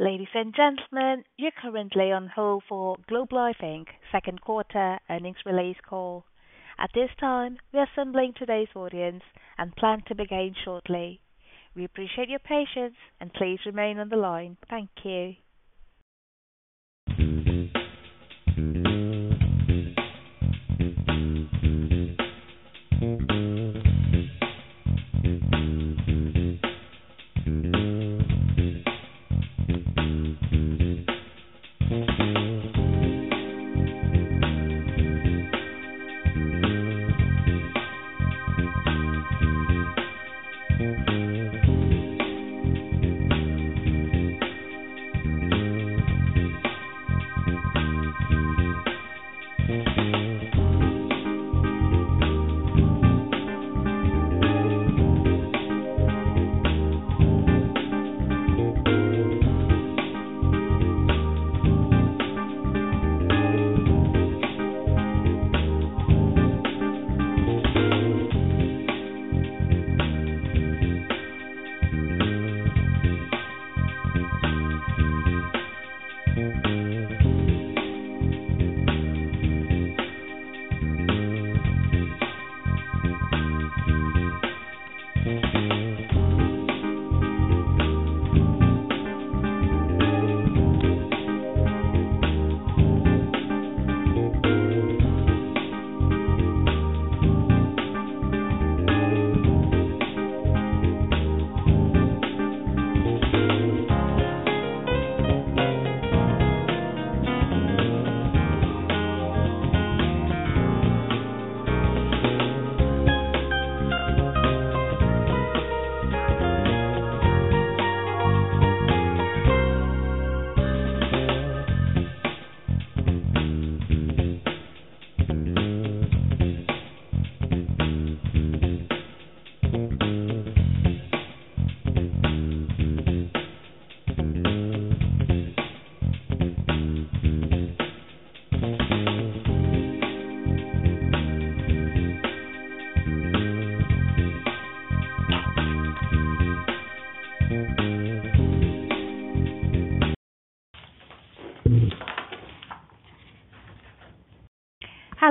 Ladies and gentlemen, you're currently on hold for Globe Life Inc Second Quarter Earnings Release Call. At this time, we're assembling today's audience and plan to begin shortly. We appreciate your patience, and please remain on the line. Thank you.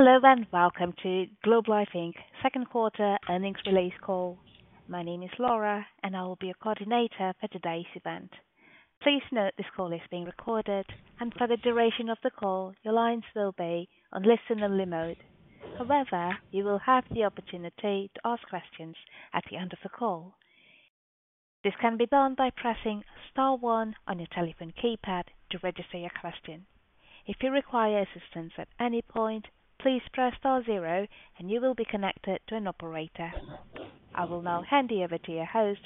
Hello and welcome to Globe Life Second Quarter Earnings Release Call. My name is Laura, and I will be your coordinator for today's event. Please note this call is being recorded, and for the duration of the call, your lines will be on listen-only mode. However, you will have the opportunity to ask questions at the end of the call. This can be done by pressing star one on your telephone keypad to register your question. If you require assistance at any point, please press star zero, and you will be connected to an operator. I will now hand you over to your host,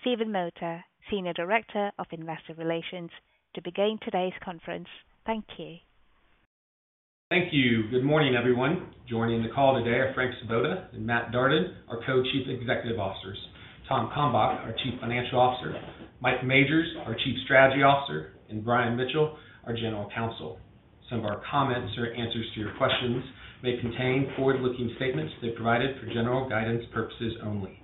Stephen Mota, Senior Director of Investor Relations, to begin today's conference. Thank you. Thank you. Good morning, everyone. Joining the call today are Frank Svoboda and Matt Darden, our Co-Chief Executive Officers, Tom Kalmbach, our Chief Financial Officer, Mike Majors, our Chief Strategy Officer, and Brian Mitchell, our General Counsel. Some of our comments or answers to your questions may contain forward-looking statements. They are provided for general guidance purposes only.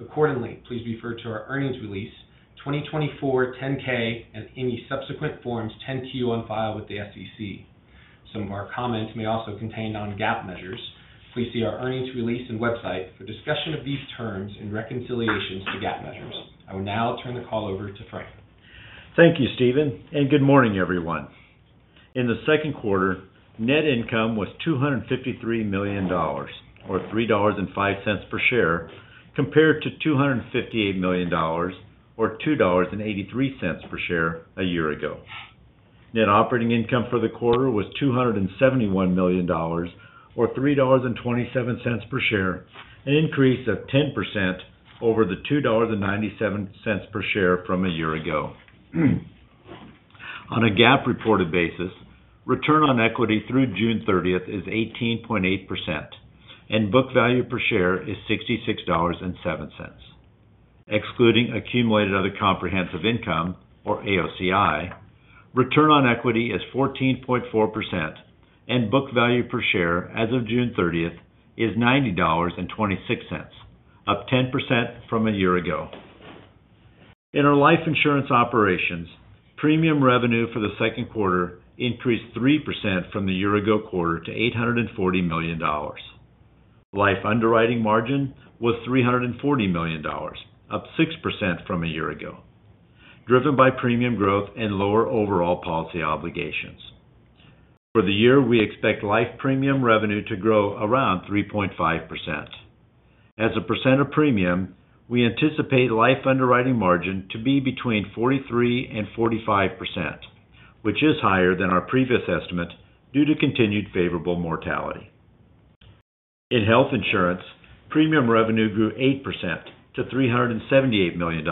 Accordingly, please refer to our earnings release, 2024 10-K, and any subsequent Forms 10-Q on file with the SEC. Some of our comments may also contain non-GAAP measures. Please see our earnings release and website for discussion of these terms and reconciliations to GAAP measures. I will now turn the call over to Frank. Thank you, Stephen, and good morning, everyone. In the second quarter, net income was $253 million, or $3.05 per share, compared to $258 million or $2.83 per share a year ago. Net operating income for the quarter was $271 million, or $3.27 per share, an increase of 10% over the $2.97 per share from a year ago. On a GAAP reported basis, return on equity through June 30th is 18.8%, and book value per share is $66.07. Excluding accumulated other comprehensive income, or AOCI, return on equity is 14.4%, and book value per share as of June 30th is $90.26, up 10% from a year ago. In our life insurance operations, premium revenue for the second quarter increased 3% from the year-ago quarter to $840 million. Life underwriting margin was $340 million, up 6% from a year ago, driven by premium growth and lower overall policy obligations. For the year, we expect life premium revenue to grow around 3.5%. As a percent of premium, we anticipate life underwriting margin to be between 43%-45%, which is higher than our previous estimate due to continued favorable mortality. In health insurance, premium revenue grew 8% to $378 million,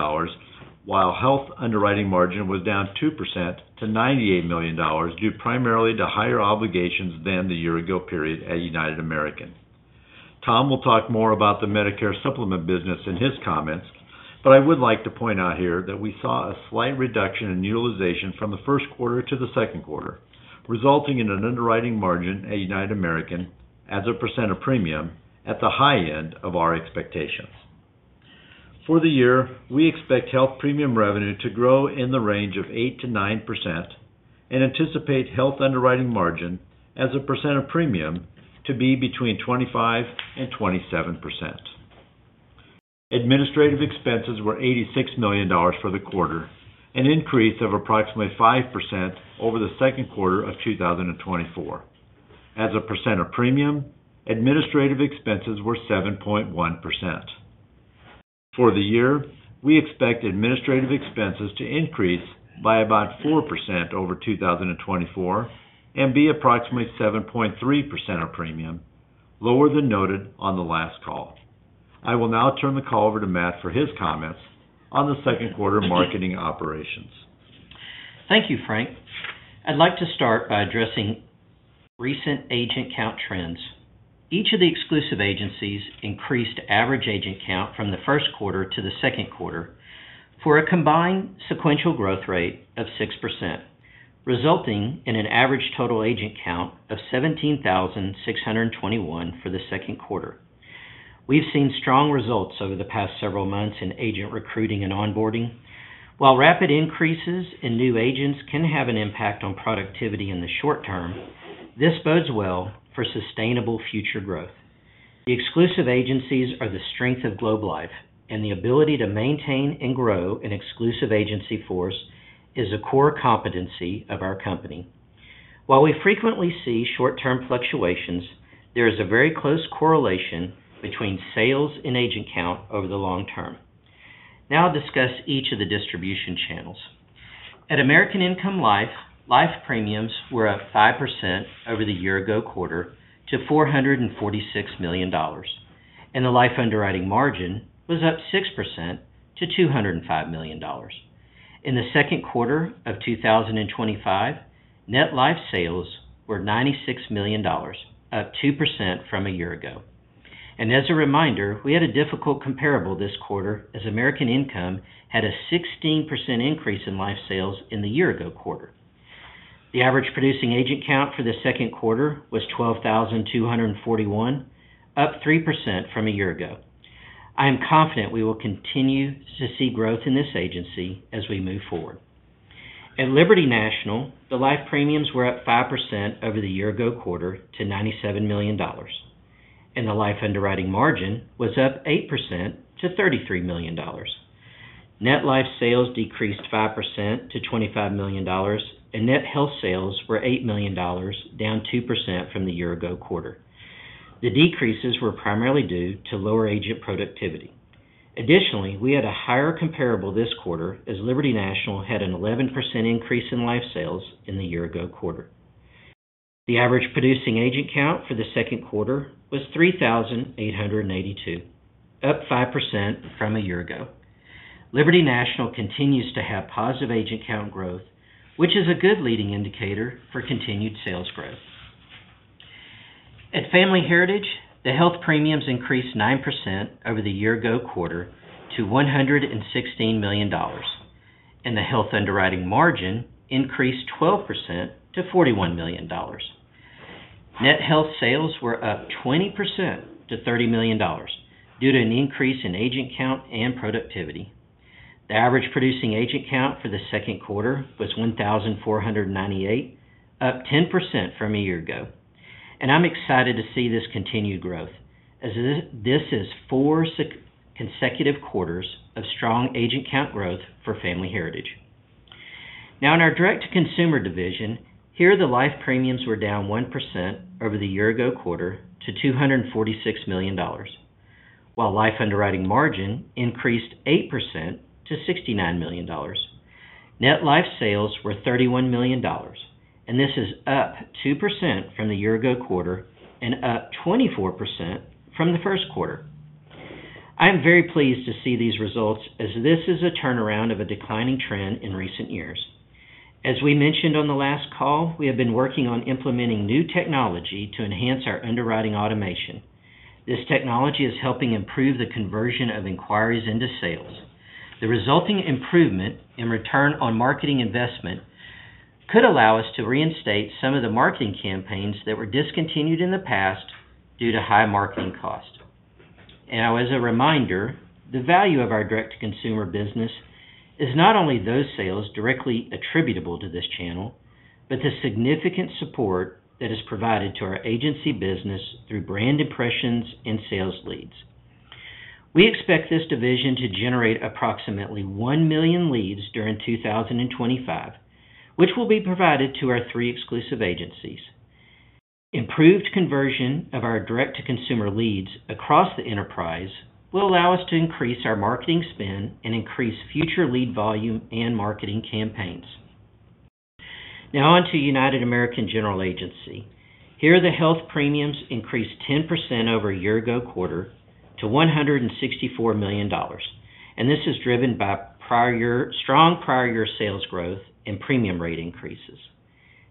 while health underwriting margin was down 2% to $98 million due primarily to higher obligations than the year-ago period at United American. Tom will talk more about the Medicare Supplement business in his comments, but I would like to point out here that we saw a slight reduction in utilization from the first quarter to the second quarter, resulting in an underwriting margin at United American as a percent of premium at the high end of our expectations. For the year, we expect health premium revenue to grow in the range of 8%-9% and anticipate health underwriting margin as a percent of premium to be between 25%-27%. Administrative expenses were $86 million for the quarter, an increase of approximately 5% over the second quarter of 2024. As a percent of premium, administrative expenses were 7.1%. For the year, we expect administrative expenses to increase by about 4% over 2024 and be approximately 7.3% of premium, lower than noted on the last call. I will now turn the call over to Matt for his comments on the second quarter marketing operations. Thank you, Frank. I'd like to start by addressing recent agent count trends. Each of the exclusive agencies increased average agent count from the first quarter to the second quarter for a combined sequential growth rate of 6%, resulting in an average total agent count of 17,621 for the second quarter. We've seen strong results over the past several months in agent recruiting and onboarding. While rapid increases in new agents can have an impact on productivity in the short term, this bodes well for sustainable future growth. The exclusive agencies are the strength of Globe Life, and the ability to maintain and grow an exclusive agency force is a core competency of our company. While we frequently see short-term fluctuations, there is a very close correlation between sales and agent count over the long term. Now I'll discuss each of the distribution channels. At American Income Life, life premiums were up 5% over the year-ago quarter to $446 million, and the life underwriting margin was up 6% to $205 million. In the second quarter of 2025, net life sales were $96 million, up 2% from a year ago. As a reminder, we had a difficult comparable this quarter as American Income had a 16% increase in life sales in the year-ago quarter. The average producing agent count for the second quarter was 12,241, up 3% from a year ago. I am confident we will continue to see growth in this agency as we move forward. At Liberty National, the life premiums were up 5% over the year-ago quarter to $97 million, and the life underwriting margin was up 8% to $33 million. Net life sales decreased 5% to $25 million, and net health sales were $8 million, down 2% from the year-ago quarter. The decreases were primarily due to lower agent productivity. Additionally, we had a higher comparable this quarter as Liberty National had an 11% increase in life sales in the year-ago quarter. The average producing agent count for the second quarter was 3,882, up 5% from a year ago. Liberty National continues to have positive agent count growth, which is a good leading indicator for continued sales growth. At Family Heritage, the health premiums increased 9% over the year-ago quarter to $116 million. The health underwriting margin increased 12% to $41 million. Net health sales were up 20% to $30 million due to an increase in agent count and productivity. The average producing agent count for the second quarter was 1,498, up 10% from a year ago. I'm excited to see this continued growth as this is four consecutive quarters of strong agent count growth for Family Heritage. In our direct-to-consumer division, the life premiums were down 1% over the year-ago quarter to $246 million, while life underwriting margin increased 8% to $69 million. Net life sales were $31 million, up 2% from the year-ago quarter and up 24% from the first quarter. I am very pleased to see these results as this is a turnaround of a declining trend in recent years. As we mentioned on the last call, we have been working on implementing new technology to enhance our underwriting automation. This technology is helping improve the conversion of inquiries into sales. The resulting improvement in return on marketing investment could allow us to reinstate some of the marketing campaigns that were discontinued in the past due to high marketing cost. As a reminder, the value of our direct-to-consumer business is not only those sales directly attributable to this channel, but the significant support that is provided to our agency business through brand impressions and sales leads. We expect this division to generate approximately 1 million leads during 2025, which will be provided to our three exclusive agencies. Improved conversion of our direct-to-consumer leads across the enterprise will allow us to increase our marketing spend and increase future lead volume and marketing campaigns. Now on to United American General Agency. Here the health premiums increased 10% over a year-ago quarter to $164 million, and this is driven by strong prior-year sales growth and premium rate increases.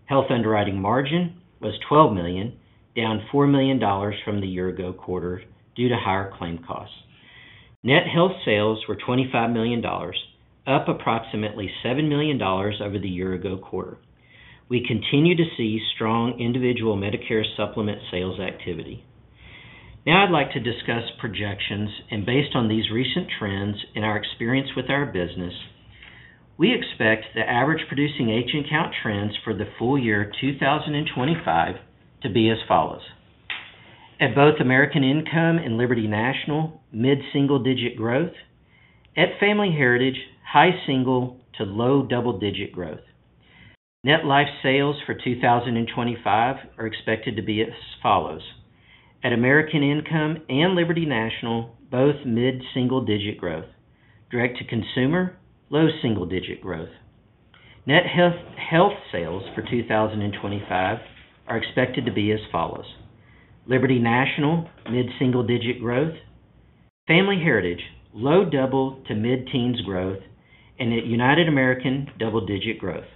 Health underwriting margin was $12 million, down $4 million from the year-ago quarter due to higher claim costs. Net health sales were $25 million, up approximately $7 million over the year-ago quarter. We continue to see strong individual Medicare Supplement sales activity. Now I'd like to discuss projections, and based on these recent trends and our experience with our business. We expect the average producing agent count trends for the full year 2025 to be as follows. At both American Income and Liberty National, mid-single-digit growth. At Family Heritage, high single to low double-digit growth. Net life sales for 2025 are expected to be as follows. At American Income and Liberty National, both mid-single-digit growth. Direct-to-consumer, low single-digit growth. Net health sales for 2025 are expected to be as follows. Liberty National, mid-single-digit growth. Family Heritage, low double to mid-teens growth, and at United American, double-digit growth.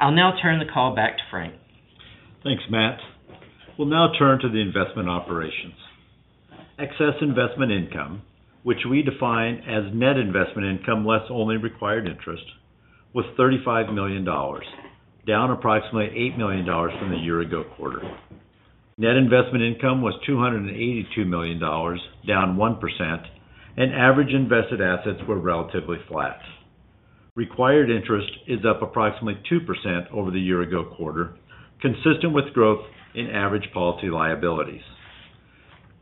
I'll now turn the call back to Frank. Thanks, Matt. We'll now turn to the investment operations. Excess investment income, which we define as net investment income less only required interest, was $35 million, down approximately $8 million from the year-ago quarter. Net investment income was $282 million, down 1%, and average invested assets were relatively flat. Required interest is up approximately 2% over the year-ago quarter, consistent with growth in average policy liabilities.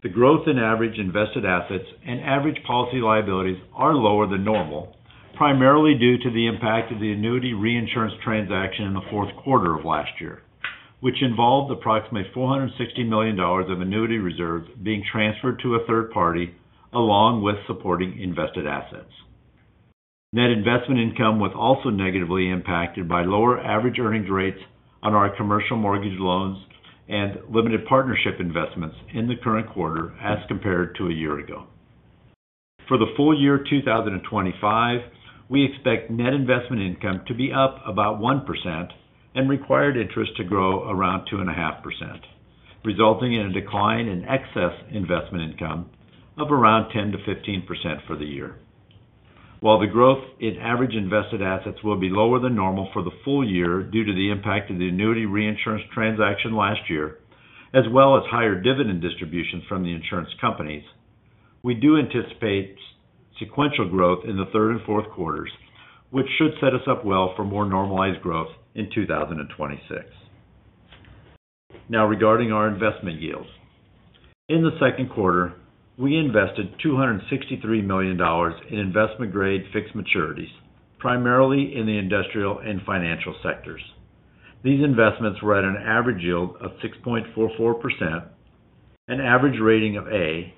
The growth in average invested assets and average policy liabilities are lower than normal, primarily due to the impact of the annuity reinsurance transaction in the fourth quarter of last year, which involved approximately $460 million of annuity reserves being transferred to a third party along with supporting invested assets. Net investment income was also negatively impacted by lower average earnings rates on our commercial mortgage loans and limited partnership investments in the current quarter as compared to a year ago. For the full year 2025, we expect net investment income to be up about 1% and required interest to grow around 2.5%, resulting in a decline in excess investment income of around 10%-15% for the year. While the growth in average invested assets will be lower than normal for the full year due to the impact of the annuity reinsurance transaction last year, as well as higher dividend distributions from the insurance companies, we do anticipate sequential growth in the third and fourth quarters, which should set us up well for more normalized growth in 2026. Now regarding our investment yields. In the second quarter, we invested $263 million in investment-grade fixed maturities, primarily in the industrial and financial sectors. These investments were at an average yield of 6.44%, an average rating of A,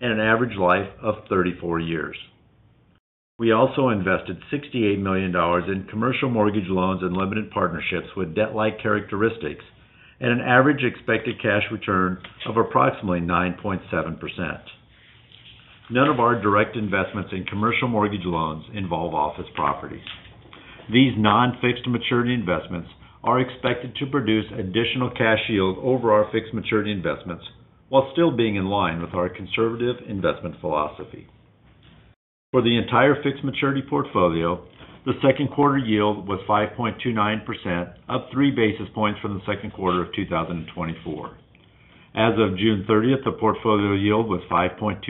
and an average life of 34 years. We also invested $68 million in commercial mortgage loans and limited partnerships with debt-like characteristics and an average expected cash return of approximately 9.7%. None of our direct investments in commercial mortgage loans involve office properties. These non-fixed maturity investments are expected to produce additional cash yield over our fixed maturity investments while still being in line with our conservative investment philosophy. For the entire fixed maturity portfolio, the second quarter yield was 5.29%, up three basis points from the second quarter of 2024. As of June 30th, the portfolio yield was 5.26%.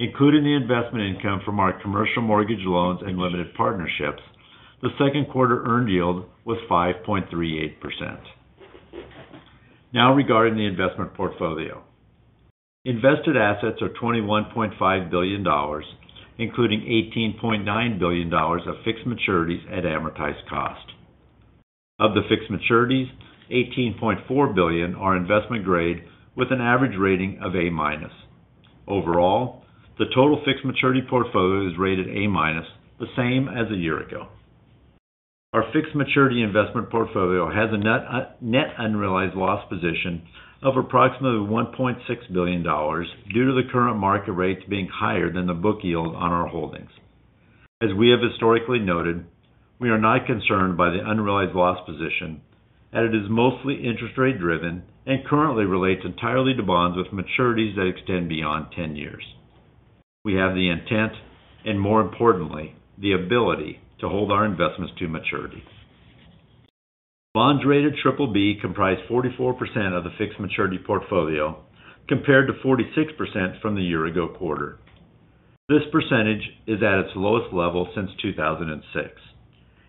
Including the investment income from our commercial mortgage loans and limited partnerships, the second quarter earned yield was 5.38%. Now regarding the investment portfolio. Invested assets are $21.5 billion, including $18.9 billion of fixed maturities at amortized cost. Of the fixed maturities, $18.4 billion are investment-grade with an average rating of A minus. Overall, the total fixed maturity portfolio is rated A minus, the same as a year ago. Our fixed maturity investment portfolio has a net unrealized loss position of approximately $1.6 billion due to the current market rates being higher than the book yield on our holdings. As we have historically noted, we are not concerned by the unrealized loss position, as it is mostly interest rate-driven and currently relates entirely to bonds with maturities that extend beyond 10 years. We have the intent and, more importantly, the ability to hold our investments to maturity. Bonds rated BBB comprise 44% of the fixed maturity portfolio, compared to 46% from the year-ago quarter. This percentage is at its lowest level since 2006.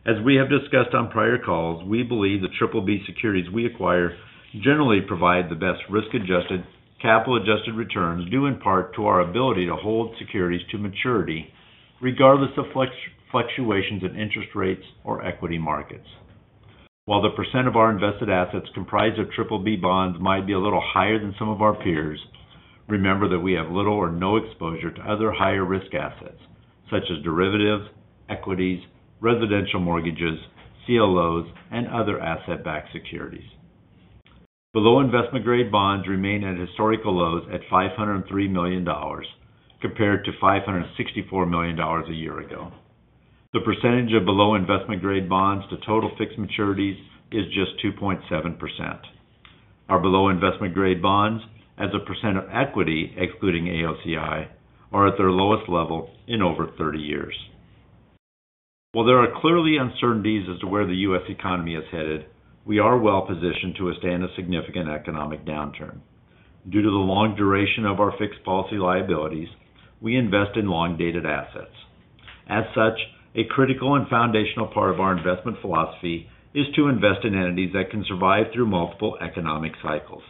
As we have discussed on prior calls, we believe the BBB securities we acquire generally provide the best risk-adjusted, capital-adjusted returns due in part to our ability to hold securities to maturity, regardless of fluctuations in interest rates or equity markets. While the percent of our invested assets comprised of BBB bonds might be a little higher than some of our peers, remember that we have little or no exposure to other higher-risk assets, such as derivatives, equities, residential mortgages, CLOs, and other asset-backed securities. Below investment-grade bonds remain at historical lows at $503 million, compared to $564 million a year ago. The percentage of below investment-grade bonds to total fixed maturities is just 2.7%. Our below investment-grade bonds, as a percent of equity, excluding AOCI, are at their lowest level in over 30 years. While there are clearly uncertainties as to where the U.S. economy is headed, we are well-positioned to withstand a significant economic downturn. Due to the long duration of our fixed policy liabilities, we invest in long-dated assets. As such, a critical and foundational part of our investment philosophy is to invest in entities that can survive through multiple economic cycles.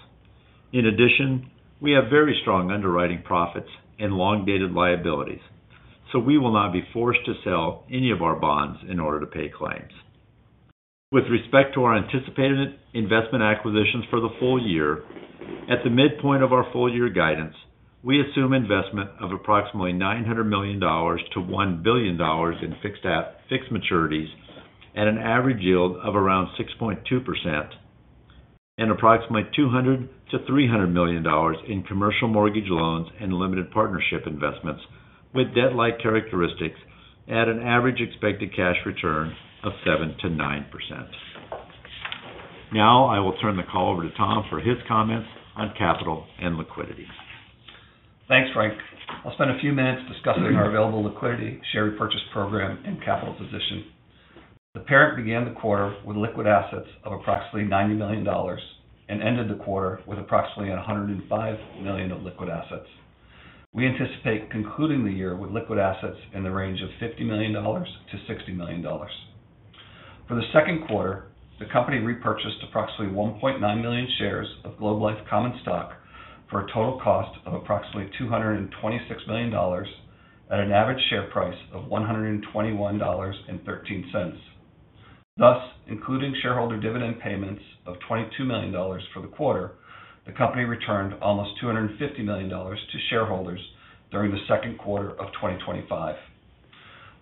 In addition, we have very strong underwriting profits and long-dated liabilities, so we will not be forced to sell any of our bonds in order to pay claims. With respect to our anticipated investment acquisitions for the full year, at the midpoint of our full-year guidance, we assume investment of approximately $900 million-$1 billion in fixed maturities at an average yield of around 6.2%. And approximately $200-$300 million in commercial mortgage loans and limited partnership investments with debt-like characteristics at an average expected cash return of 7%-9%. Now I will turn the call over to Tom for his comments on capital and liquidity. Thanks, Frank. I'll spend a few minutes discussing our available liquidity, share repurchase program, and capital position. The parent began the quarter with liquid assets of approximately $90 million and ended the quarter with approximately $105 million of liquid assets. We anticipate concluding the year with liquid assets in the range of $50 million-$60 million. For the second quarter, the company repurchased approximately 1.9 million shares of Globe Life common stock for a total cost of approximately $226 million at an average share price of $121.13. Thus, including shareholder dividend payments of $22 million for the quarter, the company returned almost $250 million to shareholders during the second quarter of 2025.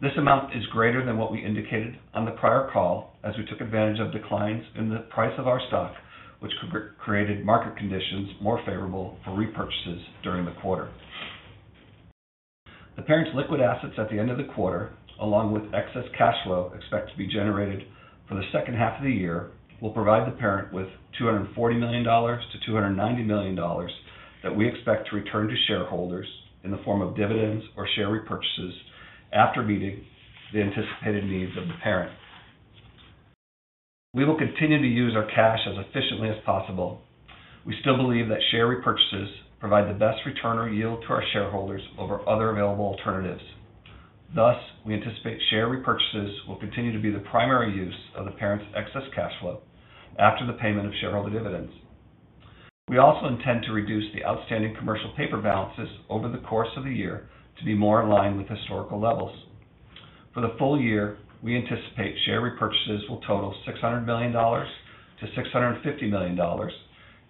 This amount is greater than what we indicated on the prior call as we took advantage of declines in the price of our stock, which created market conditions more favorable for repurchases during the quarter. The parent's liquid assets at the end of the quarter, along with excess cash flow expected to be generated for the second half of the year, will provide the parent with $240 million-$290 million that we expect to return to shareholders in the form of dividends or share repurchases after meeting the anticipated needs of the parent. We will continue to use our cash as efficiently as possible. We still believe that share repurchases provide the best return or yield to our shareholders over other available alternatives. Thus, we anticipate share repurchases will continue to be the primary use of the parent's excess cash flow after the payment of shareholder dividends. We also intend to reduce the outstanding commercial paper balances over the course of the year to be more in line with historical levels. For the full year, we anticipate share repurchases will total $600 million-$650 million,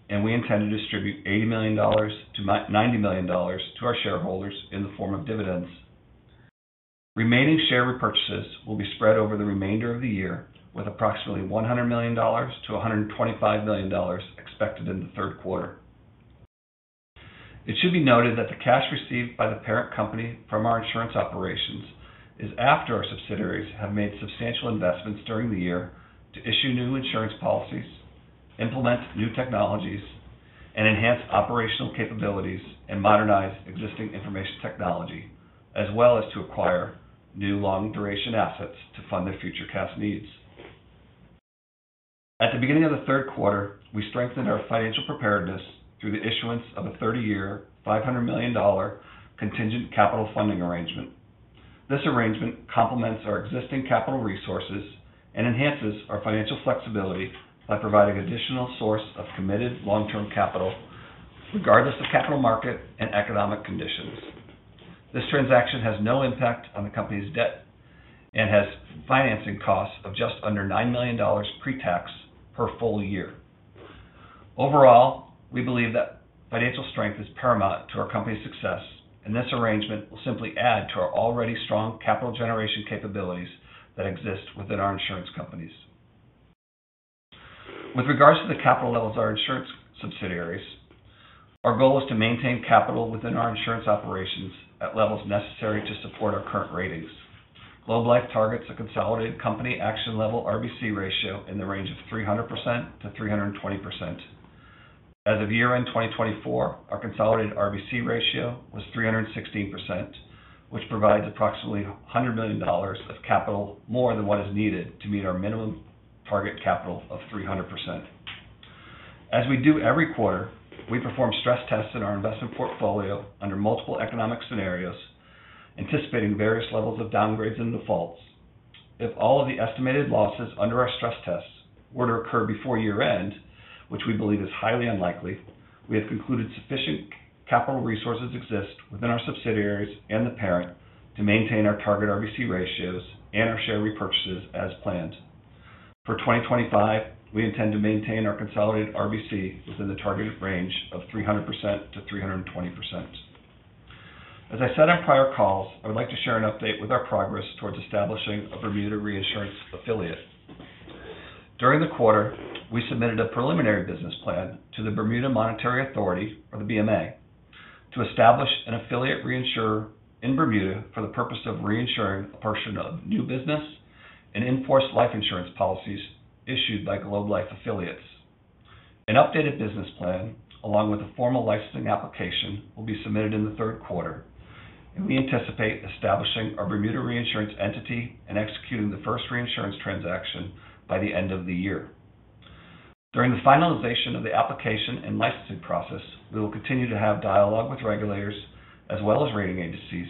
and we intend to distribute $80 million-$90 million to our shareholders in the form of dividends. Remaining share repurchases will be spread over the remainder of the year with approximately $100 million-$125 million expected in the third quarter. It should be noted that the cash received by the parent company from our insurance operations is after our subsidiaries have made substantial investments during the year to issue new insurance policies, implement new technologies, and enhance operational capabilities and modernize existing information technology, as well as to acquire new long-duration assets to fund their future cash needs. At the beginning of the third quarter, we strengthened our financial preparedness through the issuance of a 30-year, $500 million contingent capital funding arrangement. This arrangement complements our existing capital resources and enhances our financial flexibility by providing an additional source of committed long-term capital, regardless of capital market and economic conditions. This transaction has no impact on the company's debt and has financing costs of just under $9 million pre-tax per full year. Overall, we believe that financial strength is paramount to our company's success, and this arrangement will simply add to our already strong capital generation capabilities that exist within our insurance companies. With regards to the capital levels of our insurance subsidiaries, our goal is to maintain capital within our insurance operations at levels necessary to support our current ratings. Globe Life targets a consolidated company action level RBC ratio in the range of 300%-320%. As of year-end 2024, our consolidated RBC ratio was 316%, which provides approximately $100 million of capital more than what is needed to meet our minimum target capital of 300%. As we do every quarter, we perform stress tests in our investment portfolio under multiple economic scenarios, anticipating various levels of downgrades and defaults. If all of the estimated losses under our stress tests were to occur before year-end, which we believe is highly unlikely, we have concluded sufficient capital resources exist within our subsidiaries and the parent to maintain our target RBC ratios and our share repurchases as planned. For 2025, we intend to maintain our consolidated RBC within the targeted range of 300%-320%. As I said on prior calls, I would like to share an update with our progress towards establishing a Bermuda Reinsurance affiliate. During the quarter, we submitted a preliminary business plan to the Bermuda Monetary Authority, or the BMA, to establish an affiliate reinsurer in Bermuda for the purpose of reinsuring a portion of new business and enforced life insurance policies issued by Globe Life affiliates. An updated business plan, along with a formal licensing application, will be submitted in the third quarter, and we anticipate establishing our Bermuda Reinsurance entity and executing the first reinsurance transaction by the end of the year. During the finalization of the application and licensing process, we will continue to have dialogue with regulators as well as rating agencies,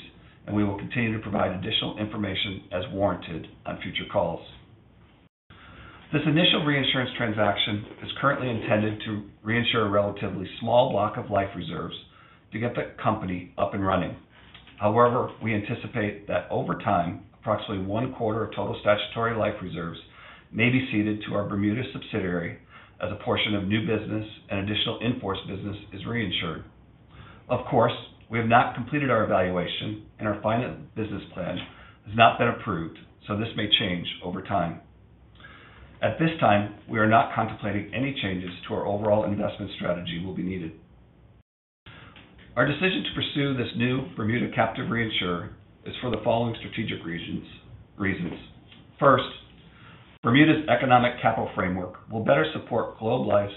and we will continue to provide additional information as warranted on future calls. This initial reinsurance transaction is currently intended to reinsure a relatively small block of life reserves to get the company up and running. However, we anticipate that over time, approximately one quarter of total statutory life reserves may be ceded to our Bermuda subsidiary as a portion of new business and additional enforced business is reinsured. Of course, we have not completed our evaluation, and our final business plan has not been approved, so this may change over time. At this time, we are not contemplating any changes to our overall investment strategy that will be needed. Our decision to pursue this new Bermuda captive reinsurer is for the following strategic reasons. First. Bermuda's economic capital framework will better support Globe Life's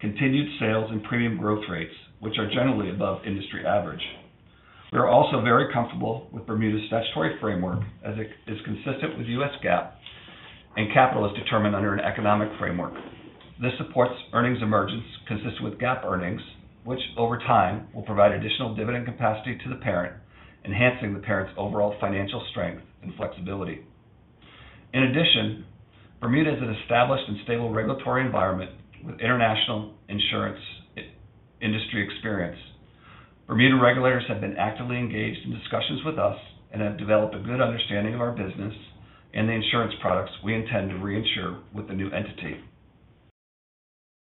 continued sales and premium growth rates, which are generally above industry average. We are also very comfortable with Bermuda's statutory framework as it is consistent with U.S. GAAP, and capital is determined under an economic framework. This supports earnings emergence consistent with GAAP earnings, which over time will provide additional dividend capacity to the parent, enhancing the parent's overall financial strength and flexibility. In addition, Bermuda is an established and stable regulatory environment with international insurance industry experience. Bermuda regulators have been actively engaged in discussions with us and have developed a good understanding of our business and the insurance products we intend to reinsure with the new entity.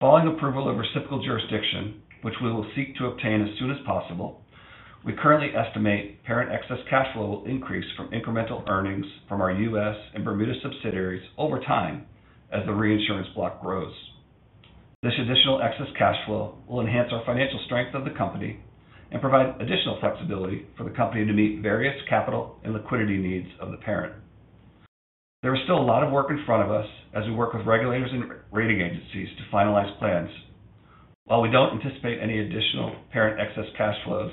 Following approval of reciprocal jurisdiction, which we will seek to obtain as soon as possible, we currently estimate parent excess cash flow will increase from incremental earnings from our U.S. and Bermuda subsidiaries over time as the reinsurance block grows. This additional excess cash flow will enhance our financial strength of the company and provide additional flexibility for the company to meet various capital and liquidity needs of the parent. There is still a lot of work in front of us as we work with regulators and rating agencies to finalize plans. While we don't anticipate any additional parent excess cash flows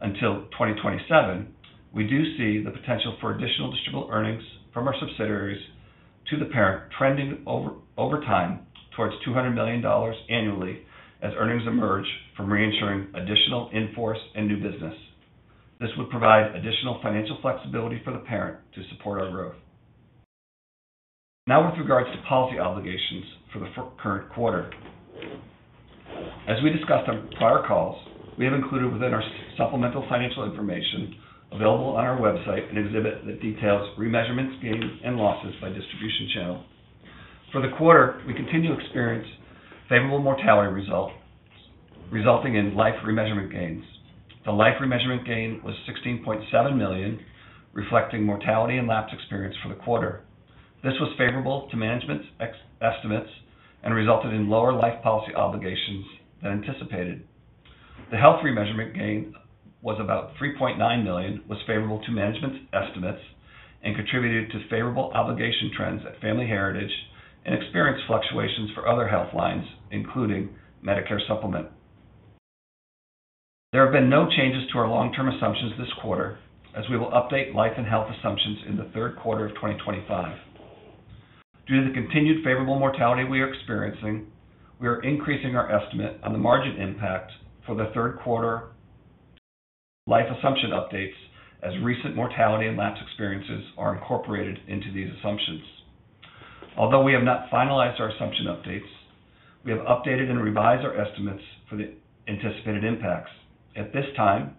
until 2027, we do see the potential for additional distributable earnings from our subsidiaries to the parent trending over time towards $200 million annually as earnings emerge from reinsuring additional enforced and new business. This would provide additional financial flexibility for the parent to support our growth. Now, with regards to policy obligations for the current quarter. As we discussed on prior calls, we have included within our supplemental financial information available on our website an exhibit that details remeasurements, gains, and losses by distribution channel. For the quarter, we continue to experience favorable mortality results, resulting in life remeasurement gains. The life remeasurement gain was $16.7 million, reflecting mortality and lapse experience for the quarter. This was favorable to management's estimates and resulted in lower life policy obligations than anticipated. The health remeasurement gain was about $3.9 million, which was favorable to management's estimates and contributed to favorable obligation trends at Family Heritage and experienced fluctuations for other health lines, including Medicare Supplement. There have been no changes to our long-term assumptions this quarter, as we will update life and health assumptions in the third quarter of 2025. Due to the continued favorable mortality we are experiencing, we are increasing our estimate on the margin impact for the third quarter. Life assumption updates as recent mortality and lapse experiences are incorporated into these assumptions. Although we have not finalized our assumption updates, we have updated and revised our estimates for the anticipated impacts. At this time,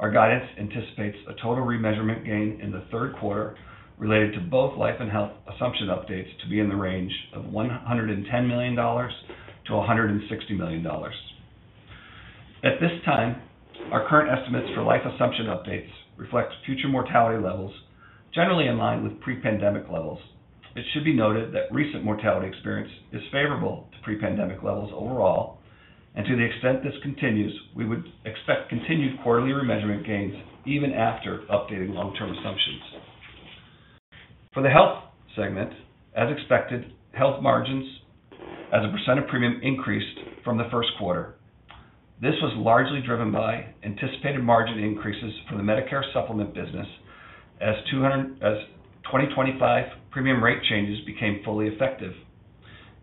our guidance anticipates a total remeasurement gain in the third quarter related to both life and health assumption updates to be in the range of $110 million-$160 million. At this time, our current estimates for life assumption updates reflect future mortality levels generally in line with pre-pandemic levels. It should be noted that recent mortality experience is favorable to pre-pandemic levels overall, and to the extent this continues, we would expect continued quarterly remeasurement gains even after updating long-term assumptions. For the health segment, as expected, health margins as a percent of premium increased from the first quarter. This was largely driven by anticipated margin increases for the Medicare Supplement business. As 2025 premium rate changes became fully effective.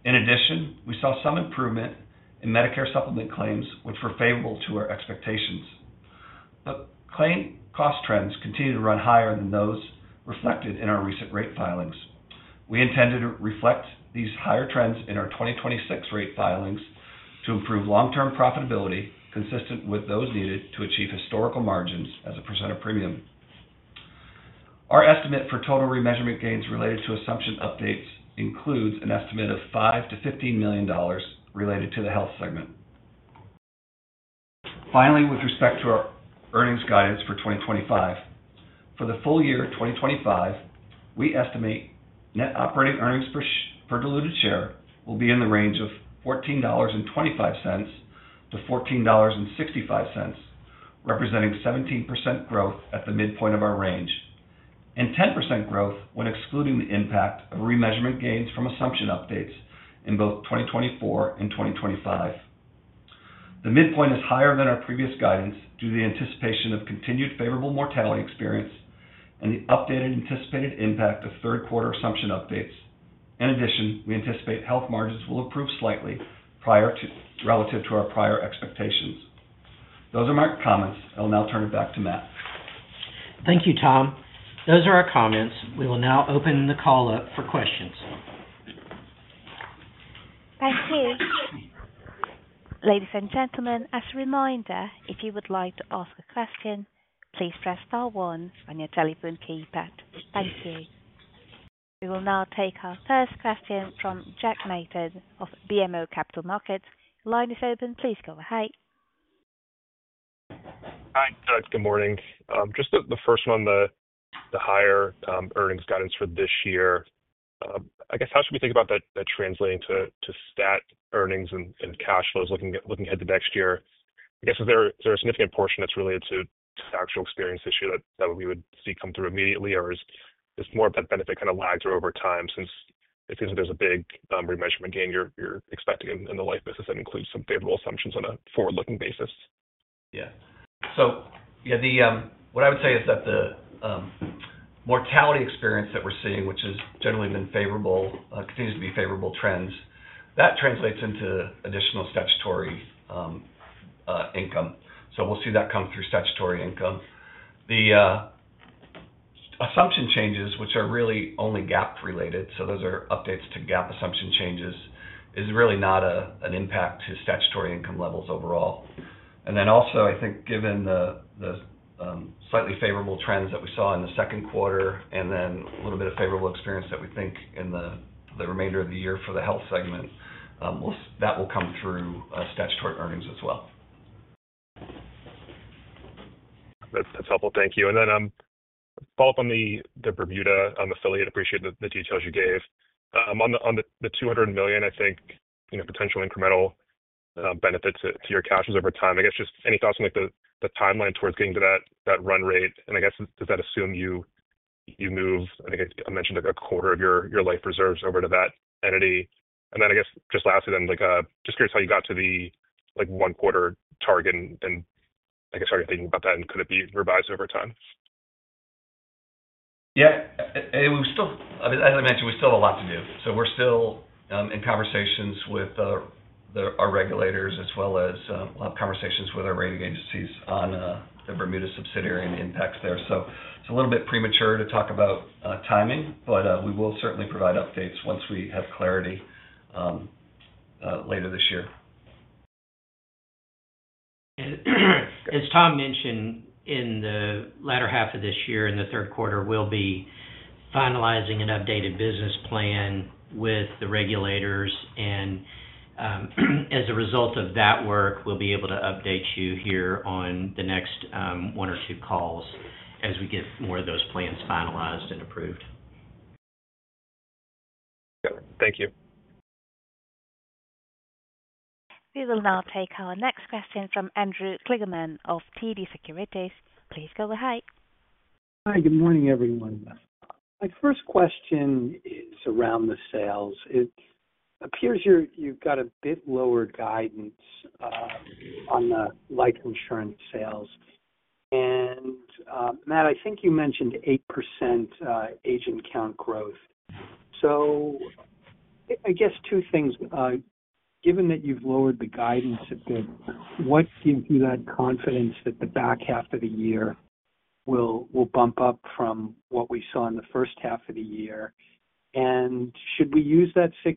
In addition, we saw some improvement in Medicare Supplement claims, which were favorable to our expectations. The claim cost trends continue to run higher than those reflected in our recent rate filings. We intend to reflect these higher trends in our 2026 rate filings to improve long-term profitability consistent with those needed to achieve historical margins as a percent of premium. Our estimate for total remeasurement gains related to assumption updates includes an estimate of $5 million-$15 million related to the health segment. Finally, with respect to our earnings guidance for 2025, for the full year 2025, we estimate net operating earnings per diluted share will be in the range of $14.25-$14.65. Representing 17% growth at the midpoint of our range and 10% growth when excluding the impact of remeasurement gains from assumption updates in both 2024 and 2025. The midpoint is higher than our previous guidance due to the anticipation of continued favorable mortality experience and the updated anticipated impact of third quarter assumption updates. In addition, we anticipate health margins will improve slightly relative to our prior expectations. Those are my comments. I'll now turn it back to Matt. Thank you, Tom. Those are our comments. We will now open the call up for questions. Thank you. Ladies and gentlemen, as a reminder, if you would like to ask a question, please press star one on your telephone keypad. Thank you. We will now take our first question from Jack Matten of BMO Capital Markets. The line is open. Please go ahead. Hi, Doug. Good morning. Just the first one, the higher earnings guidance for this year. I guess, how should we think about that translating to stat earnings and cash flows looking ahead to next year? I guess, is there a significant portion that's related to actual experience this year that we would see come through immediately, or is more of that benefit kind of lagged through over time since it seems like there's a big remeasurement gain you're expecting in the life business that includes some favorable assumptions on a forward-looking basis? Yeah. So what I would say is that the mortality experience that we're seeing, which has generally been favorable, continues to be favorable trends. That translates into additional statutory income. So we'll see that come through statutory income. The assumption changes, which are really only GAAP-related, so those are updates to GAAP assumption changes, is really not an impact to statutory income levels overall. And then also, I think, given the slightly favorable trends that we saw in the second quarter and then a little bit of favorable experience that we think in the remainder of the year for the health segment. That will come through statutory earnings as well. That's helpful. Thank you. Follow up on the Bermuda affiliate. Appreciate the details you gave on the $200 million, I think, potential incremental benefits to your cash flows over time. I guess, just any thoughts on the timeline towards getting to that run rate? I guess, does that assume you move, I think I mentioned, a quarter of your life reserves over to that entity? I guess, just lastly, just curious how you got to the one-quarter target and, I guess, how you're thinking about that, and could it be revised over time? Yeah. As I mentioned, we still have a lot to do. We're still in conversations with our regulators as well as we'll have conversations with our rating agencies on the Bermuda subsidiary and the impacts there. It's a little bit premature to talk about timing, but we will certainly provide updates once we have clarity later this year. As Tom mentioned, in the latter half of this year, in the third quarter, we'll be finalizing an updated business plan with the regulators. As a result of that work, we'll be able to update you here on the next one or two calls as we get more of those plans finalized and approved. Got it. Thank you. We will now take our next question from Andrew Kligerman of TD Securities. Please go ahead. Hi. Good morning, everyone. My first question is around the sales. It appears you've got a bit lower guidance on the life insurance sales. Matt, I think you mentioned 8% agent count growth. I guess two things. Given that you've lowered the guidance a bit, what gives you that confidence that the back half of the year will bump up from what we saw in the first half of the year? Should we use that 6%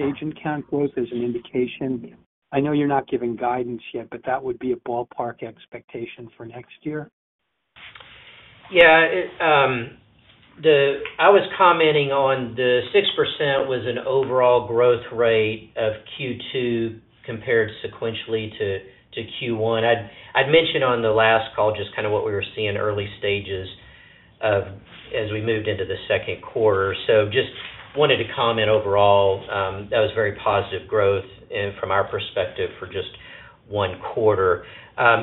agent count growth as an indication? I know you're not giving guidance yet, but that would be a ballpark expectation for next year. Yeah. I was commenting on the 6% was an overall growth rate of Q2 compared sequentially to Q1. I'd mentioned on the last call just kind of what we were seeing early stages as we moved into the second quarter. Just wanted to comment overall, that was very positive growth from our perspective for just one quarter.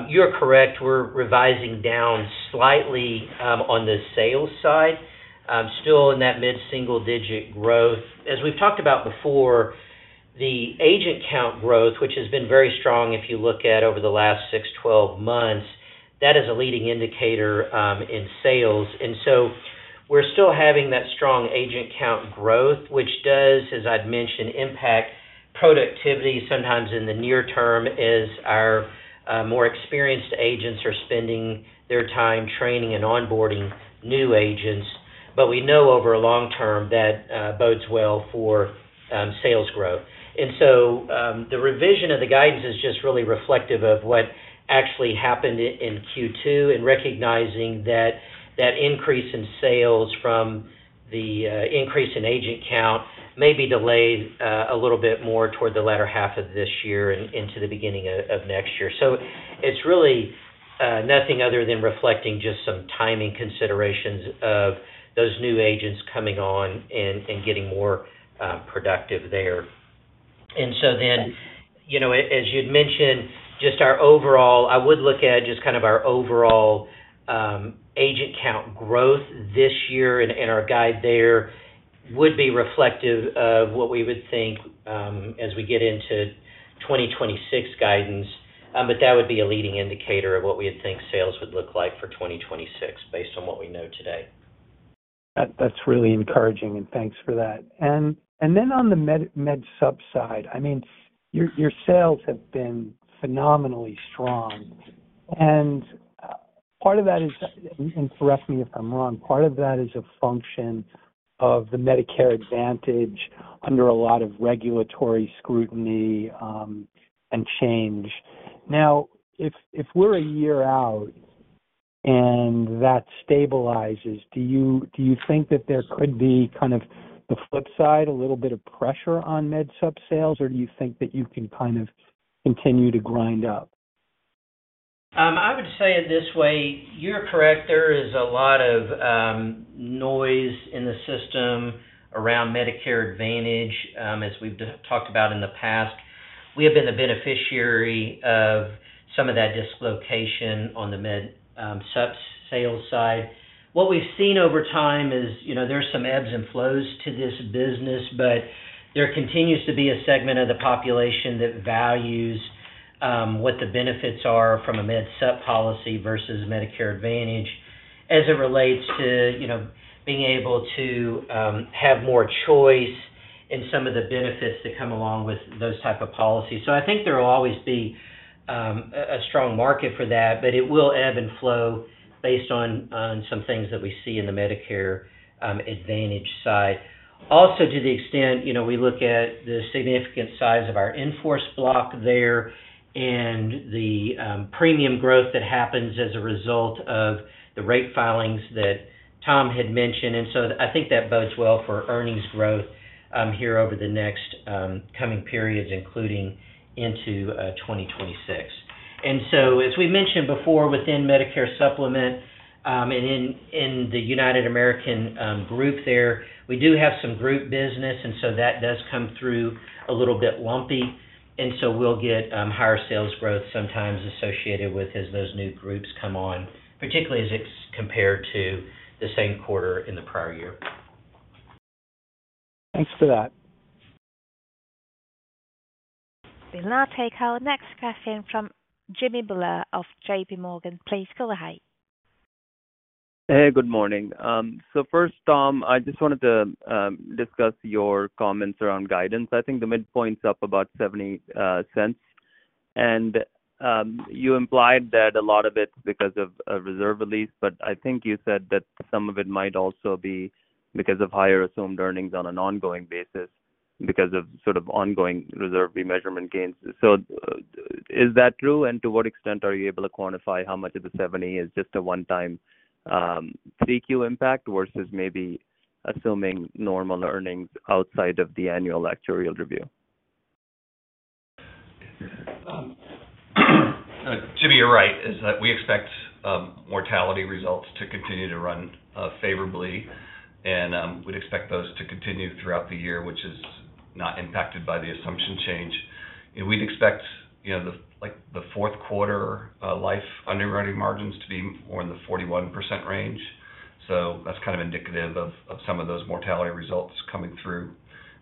You're correct. We're revising down slightly on the sales side, still in that mid-single-digit growth. As we've talked about before, the agent count growth, which has been very strong if you look at over the last 6, 12 months, that is a leading indicator in sales. We're still having that strong agent count growth, which does, as I've mentioned, impact productivity sometimes in the near term as our more experienced agents are spending their time training and onboarding new agents. We know over the long term that bodes well for sales growth. The revision of the guidance is just really reflective of what actually happened in Q2 and recognizing that the increase in sales from the increase in agent count may be delayed a little bit more toward the latter half of this year and into the beginning of next year. It's really nothing other than reflecting just some timing considerations of those new agents coming on and getting more productive there. As you'd mentioned, just our overall, I would look at just kind of our overall agent count growth this year and our guide there would be reflective of what we would think as we get into 2026 guidance. That would be a leading indicator of what we would think sales would look like for 2026 based on what we know today. That's really encouraging, and thanks for that. On the med-sub side, I mean, your sales have been phenomenally strong. Part of that is, and correct me if I'm wrong, part of that is a function of the Medicare Advantage under a lot of regulatory scrutiny and change. Now, if we're a year out and that stabilizes, do you think that there could be kind of the flip side, a little bit of pressure on med-sub sales, or do you think that you can kind of continue to grind up? I would say it this way. You're correct. There is a lot of noise in the system around Medicare Advantage, as we've talked about in the past. We have been the beneficiary of some of that dislocation on the med-sub sales side. What we've seen over time is there's some ebbs and flows to this business, but there continues to be a segment of the population that values what the benefits are from a med-sub policy versus Medicare Advantage as it relates to being able to have more choice in some of the benefits that come along with those types of policies. I think there will always be a strong market for that, but it will ebb and flow based on some things that we see in the Medicare Advantage side. Also, to the extent we look at the significant size of our in-force block there and the premium growth that happens as a result of the rate filings that Tom had mentioned, I think that bodes well for earnings growth here over the next coming periods, including into 2026. As we mentioned before, within Medicare Supplement and in the United American group there, we do have some group business, and so that does come through a little bit lumpy. We'll get higher sales growth sometimes associated with as those new groups come on, particularly as it's compared to the same quarter in the prior year. Thanks for that. We'll now take our next question from Jimmy Bhullar of JPMorgan. Please go ahead. Hey, good morning. First, Tom, I just wanted to discuss your comments around guidance. I think the midpoint's up about $0.70. You implied that a lot of it's because of a reserve release, but I think you said that some of it might also be because of higher assumed earnings on an ongoing basis because of sort of ongoing reserve remeasurement gains. Is that true? To what extent are you able to quantify how much of the $0.70 is just a one-time 3Q impact versus maybe assuming normal earnings outside of the annual actuarial review? Jimmy, you're right, we expect mortality results to continue to run favorably, and we'd expect those to continue throughout the year, which is not impacted by the assumption change. We'd expect the fourth quarter life underwriting margins to be more in the 41% range. That's kind of indicative of some of those mortality results coming through,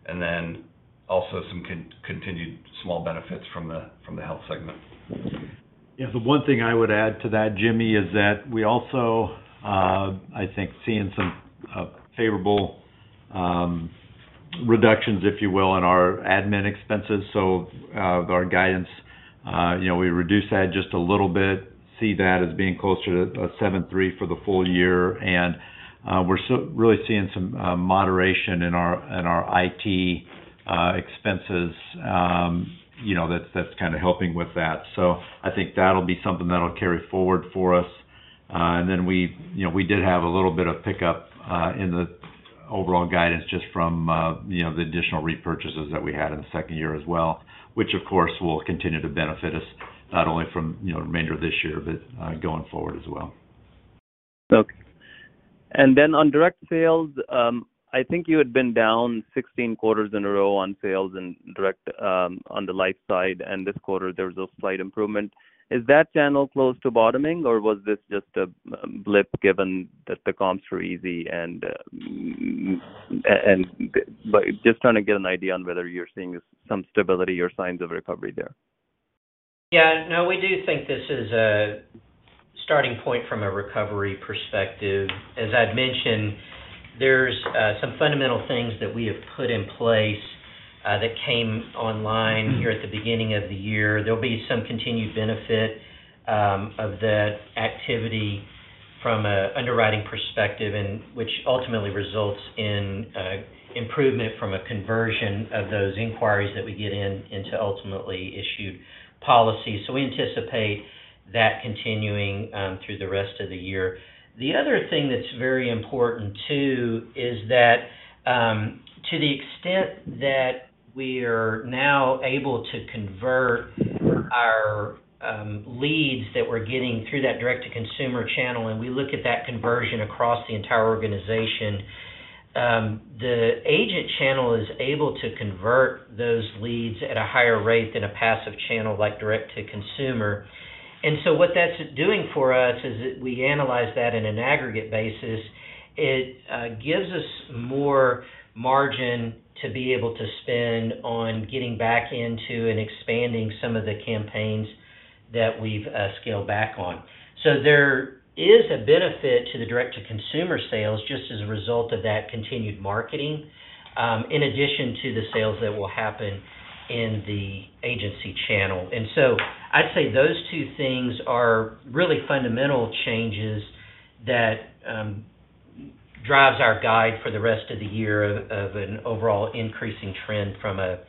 and then also some continued small benefits from the health segment. Yeah. The one thing I would add to that, Jimmy, is that we also, I think, are seeing some favorable reductions, if you will, in our admin expenses. Our guidance, we reduced that just a little bit, see that as being closer to a 7.3 for the full year. We're really seeing some moderation in our IT expenses. That's kind of helping with that, so I think that'll be something that'll carry forward for us. We did have a little bit of pickup in the overall guidance just from the additional repurchases that we had in the second year as well, which, of course, will continue to benefit us not only for the remainder of this year but going forward as well. Okay. On direct sales, I think you had been down 16 quarters in a row on sales in direct on the life side, and this quarter, there was a slight improvement. Is that channel close to bottoming, or was this just a blip given that the comps were easy? Just trying to get an idea on whether you're seeing some stability or signs of recovery there. Yeah. No, we do think this is a starting point from a recovery perspective. As I'd mentioned, there's some fundamental things that we have put in place that came online here at the beginning of the year. There'll be some continued benefit of that activity from an underwriting perspective, which ultimately results in improvement from a conversion of those inquiries that we get into ultimately issued policy. We anticipate that continuing through the rest of the year. The other thing that's very important too is that. To the extent that we are now able to convert our leads that we're getting through that direct-to-consumer channel, and we look at that conversion across the entire organization. The agent channel is able to convert those leads at a higher rate than a passive channel like direct-to-consumer. What that's doing for us is that we analyze that on an aggregate basis. It gives us more margin to be able to spend on getting back into and expanding some of the campaigns that we've scaled back on. There is a benefit to the direct-to-consumer sales just as a result of that continued marketing, in addition to the sales that will happen in the agency channel. I'd say those two things are really fundamental changes that drive our guide for the rest of the year of an overall increasing trend from a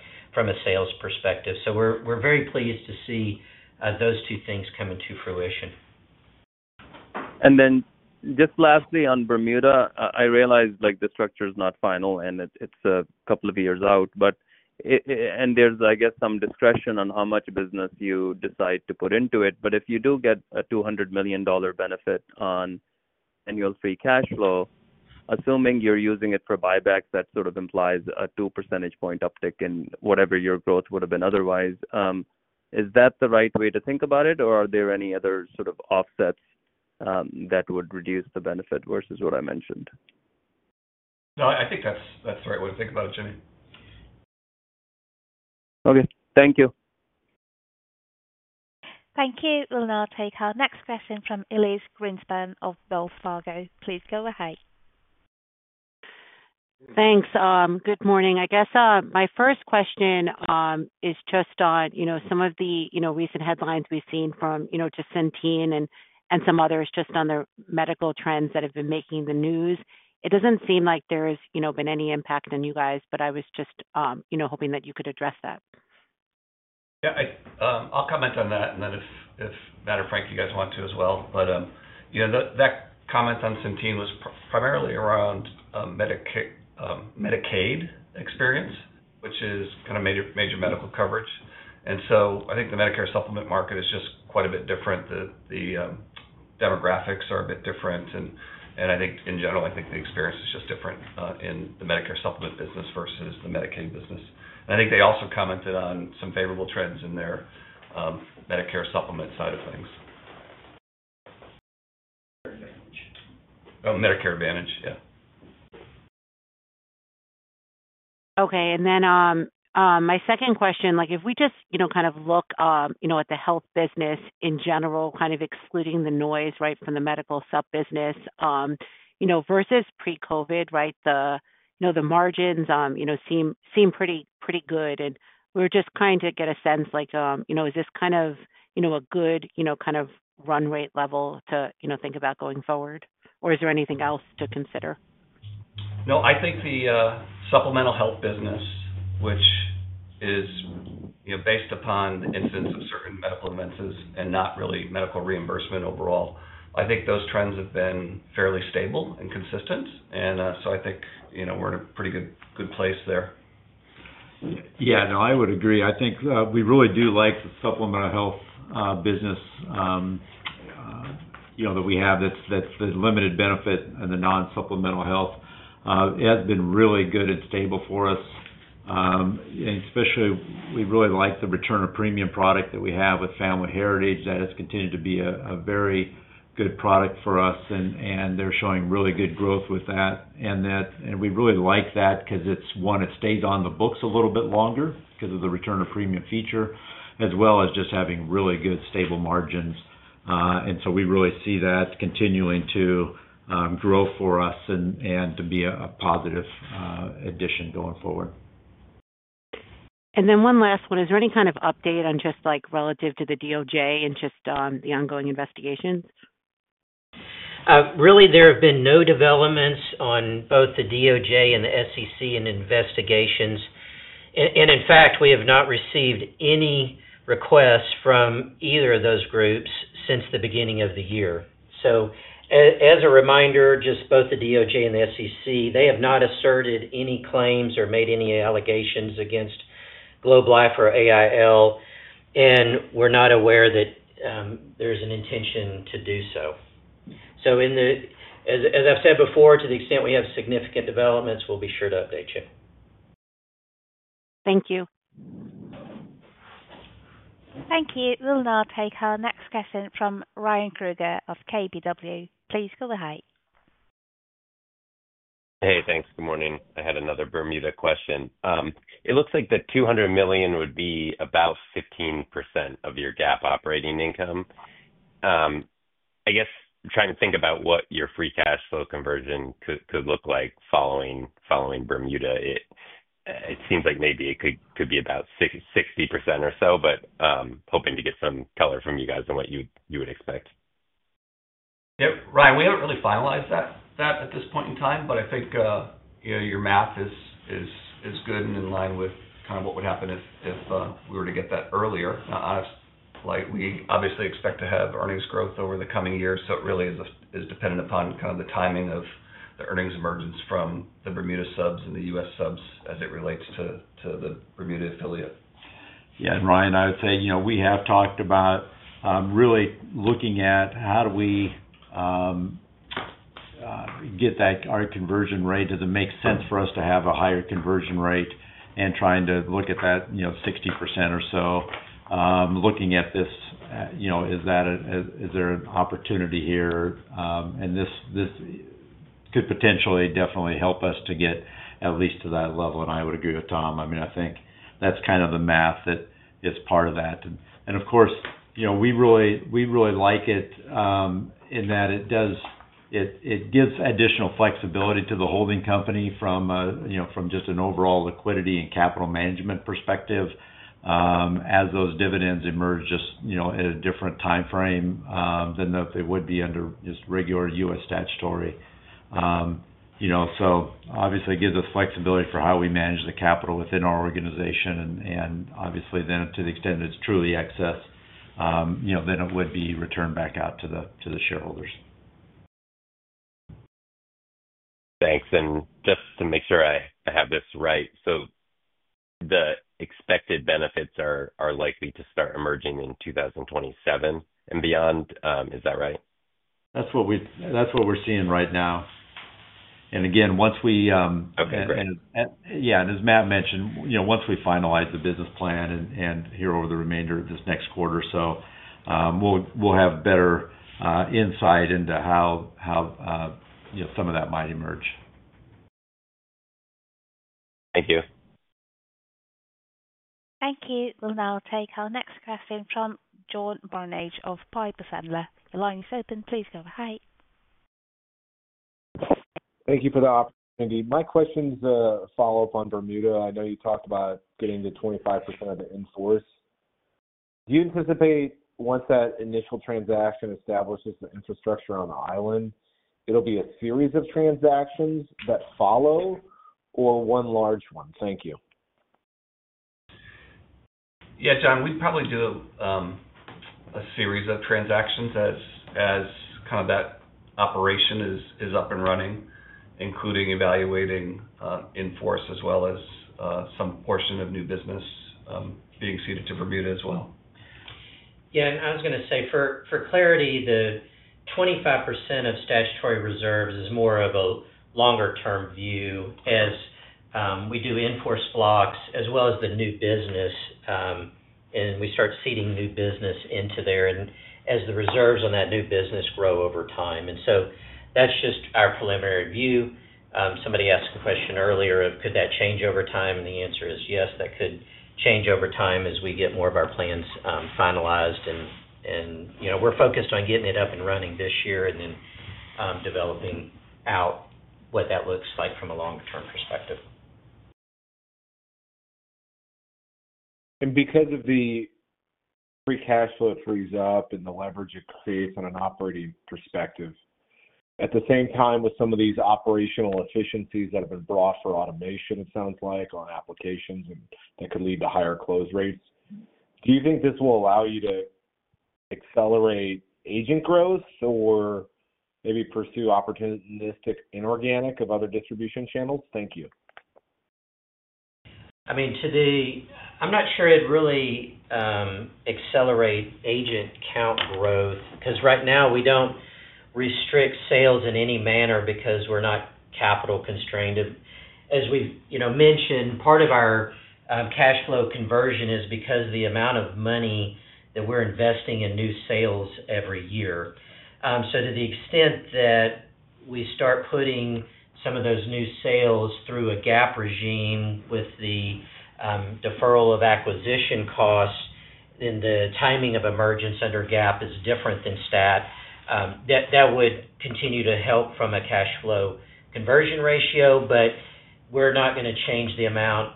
sales perspective. We're very pleased to see those two things come into fruition. Just lastly, on Bermuda, I realize the structure is not final, and it's a couple of years out. There's, I guess, some discretion on how much business you decide to put into it. If you do get a $200 million benefit on annual free cash flow, assuming you're using it for buybacks, that sort of implies a 2 percentage point uptick in whatever your growth would have been otherwise. Is that the right way to think about it, or are there any other sort of offsets that would reduce the benefit versus what I mentioned? No, I think that's the right way to think about it, Jimmy. Okay. Thank you. Thank you. We'll now take our next question from Elyse Greenspan of Wells Fargo. Please go ahead. Thanks. Good morning. I guess my first question is just on some of the recent headlines we've seen from Justin Thien and some others just on the medical trends that have been making the news. It doesn't seem like there's been any impact on you guys, but I was just hoping that you could address that. Yeah. I'll comment on that, and then if Matt or Frank, you guys want to as well. That comment on Justin Thien was primarily around Medicaid experience, which is kind of major medical coverage. I think the Medicare Supplement market is just quite a bit different. The demographics are a bit different. I think, in general, I think the experience is just different in the Medicare Supplement business versus the Medicaid business. I think they also commented on some favorable trends in their Medicare Supplement side of things. Medicare Advantage. Oh, Medicare Advantage. Yeah. Okay. My second question, if we just kind of look at the health business in general, kind of excluding the noise, right, from the medical sub-business. Versus pre-COVID, right, the margins seem pretty good. We're just trying to get a sense, is this kind of a good kind of run rate level to think about going forward, or is there anything else to consider? No, I think the supplemental health business, which is based upon the incidence of certain medical events and not really medical reimbursement overall, I think those trends have been fairly stable and consistent. I think we're in a pretty good place there. Yeah. No, I would agree. I think we really do like the supplemental health business that we have, that's the limited benefit and the non-supplemental health. It has been really good and stable for us. Especially, we really like the return of premium product that we have with Family Heritage. That has continued to be a very good product for us, and they're showing really good growth with that. We really like that because it's, one, it stays on the books a little bit longer because of the return of premium feature, as well as just having really good stable margins. We really see that continuing to grow for us and to be a positive addition going forward. One last one. Is there any kind of update relative to the DOJ and just the ongoing investigations? Really, there have been no developments on both the DOJ and the SEC investigations. In fact, we have not received any requests from either of those groups since the beginning of the year. As a reminder, just both the DOJ and the SEC, they have not asserted any claims or made any allegations against Globe Life or American Income Life. We're not aware that there's an intention to do so. As I've said before, to the extent we have significant developments, we'll be sure to update you. Thank you. Thank you. We'll now take our next question from Ryan Krueger of KBW. Please go ahead. Hey, thanks. Good morning. I had another Bermuda question. It looks like the $200 million would be about 15% of your GAAP operating income. I guess trying to think about what your free cash flow conversion could look like following Bermuda. It seems like maybe it could be about 60% or so, but hoping to get some color from you guys on what you would expect. Yeah. Ryan, we haven't really finalized that at this point in time, but I think your math is good and in line with kind of what would happen if we were to get that earlier. We obviously expect to have earnings growth over the coming years, so it really is dependent upon kind of the timing of the earnings emergence from the Bermuda subs and the US subs as it relates to the Bermuda affiliate. Yeah. Ryan, I would say we have talked about really looking at how do we get that conversion rate? Does it make sense for us to have a higher conversion rate and trying to look at that 60% or so? Looking at this, is there an opportunity here? This could potentially definitely help us to get at least to that level. I would agree with Tom. I mean, I think that's kind of the math that is part of that. Of course, we really like it in that it gives additional flexibility to the holding company from just an overall liquidity and capital management perspective, as those dividends emerge just at a different time frame than if they would be under just regular U.S. statutory. Obviously, it gives us flexibility for how we manage the capital within our organization. Obviously, then to the extent it's truly excess, then it would be returned back out to the shareholders. Thanks. Just to make sure I have this right, the expected benefits are likely to start emerging in 2027 and beyond. Is that right? That's what we're seeing right now. Again, once we—okay, great, yeah. As Matt mentioned, once we finalize the business plan and here over the remainder of this next quarter or so, we'll have better insight into how some of that might emerge. Thank you. Thank you. We'll now take our next question from John Barnidge of Piper Sandler. The line is open. Please go ahead. Thank you for the opportunity. My question's a follow-up on Bermuda. I know you talked about getting the 25% of the in-force. Do you anticipate, once that initial transaction establishes the infrastructure on the island, it'll be a series of transactions that follow or one large one? Thank you. Yeah, John, we'd probably do a series of transactions as kind of that operation is up and running, including evaluating in-force as well as some portion of new business being ceded to Bermuda as well. Yeah. I was going to say, for clarity, the 25% of statutory reserves is more of a longer-term view as we do in-force blocks as well as the new business, and we start ceding new business into there as the reserves on that new business grow over time. That's just our preliminary view. Somebody asked a question earlier of, "Could that change over time?" The answer is yes, that could change over time as we get more of our plans finalized. We're focused on getting it up and running this year and then developing out what that looks like from a longer-term perspective. Because of the free cash flow that frees up and the leverage it creates on an operating perspective, at the same time with some of these operational efficiencies that have been brought for automation, it sounds like, on applications that could lead to higher close rates, do you think this will allow you to accelerate agent growth or maybe pursue opportunistic inorganic of other distribution channels? Thank you. I mean, I'm not sure it'd really accelerate agent count growth because right now we don't restrict sales in any manner because we're not capital constrained. As we've mentioned, part of our cash flow conversion is because of the amount of money that we're investing in new sales every year. To the extent that we start putting some of those new sales through a GAAP regime with the deferral of acquisition costs, then the timing of emergence under GAAP is different than stat. That would continue to help from a cash flow conversion ratio, but we're not going to change the amount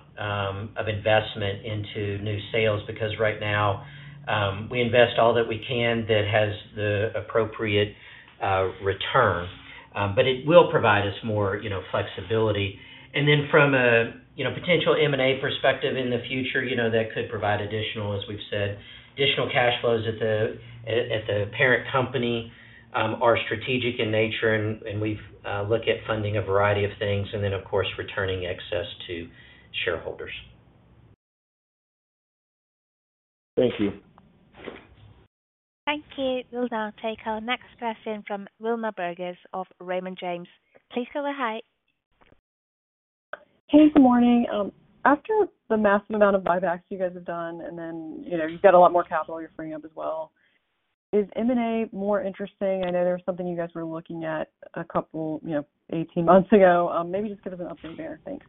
of investment into new sales because right now we invest all that we can that has the appropriate return. It will provide us more flexibility. From a potential M&A perspective in the future, that could provide additional, as we've said, additional cash flows at the parent company. Are strategic in nature, and we look at funding a variety of things, and of course, returning excess to shareholders. Thank you. Thank you. We'll now take our next question from Wilma Burdis of Raymond James. Please go ahead. Hey, good morning. After the massive amount of buybacks you guys have done, and then you've got a lot more capital you're freeing up as well. Is M&A more interesting? I know there was something you guys were looking at a couple, 18 months ago. Maybe just give us an update there. Thanks.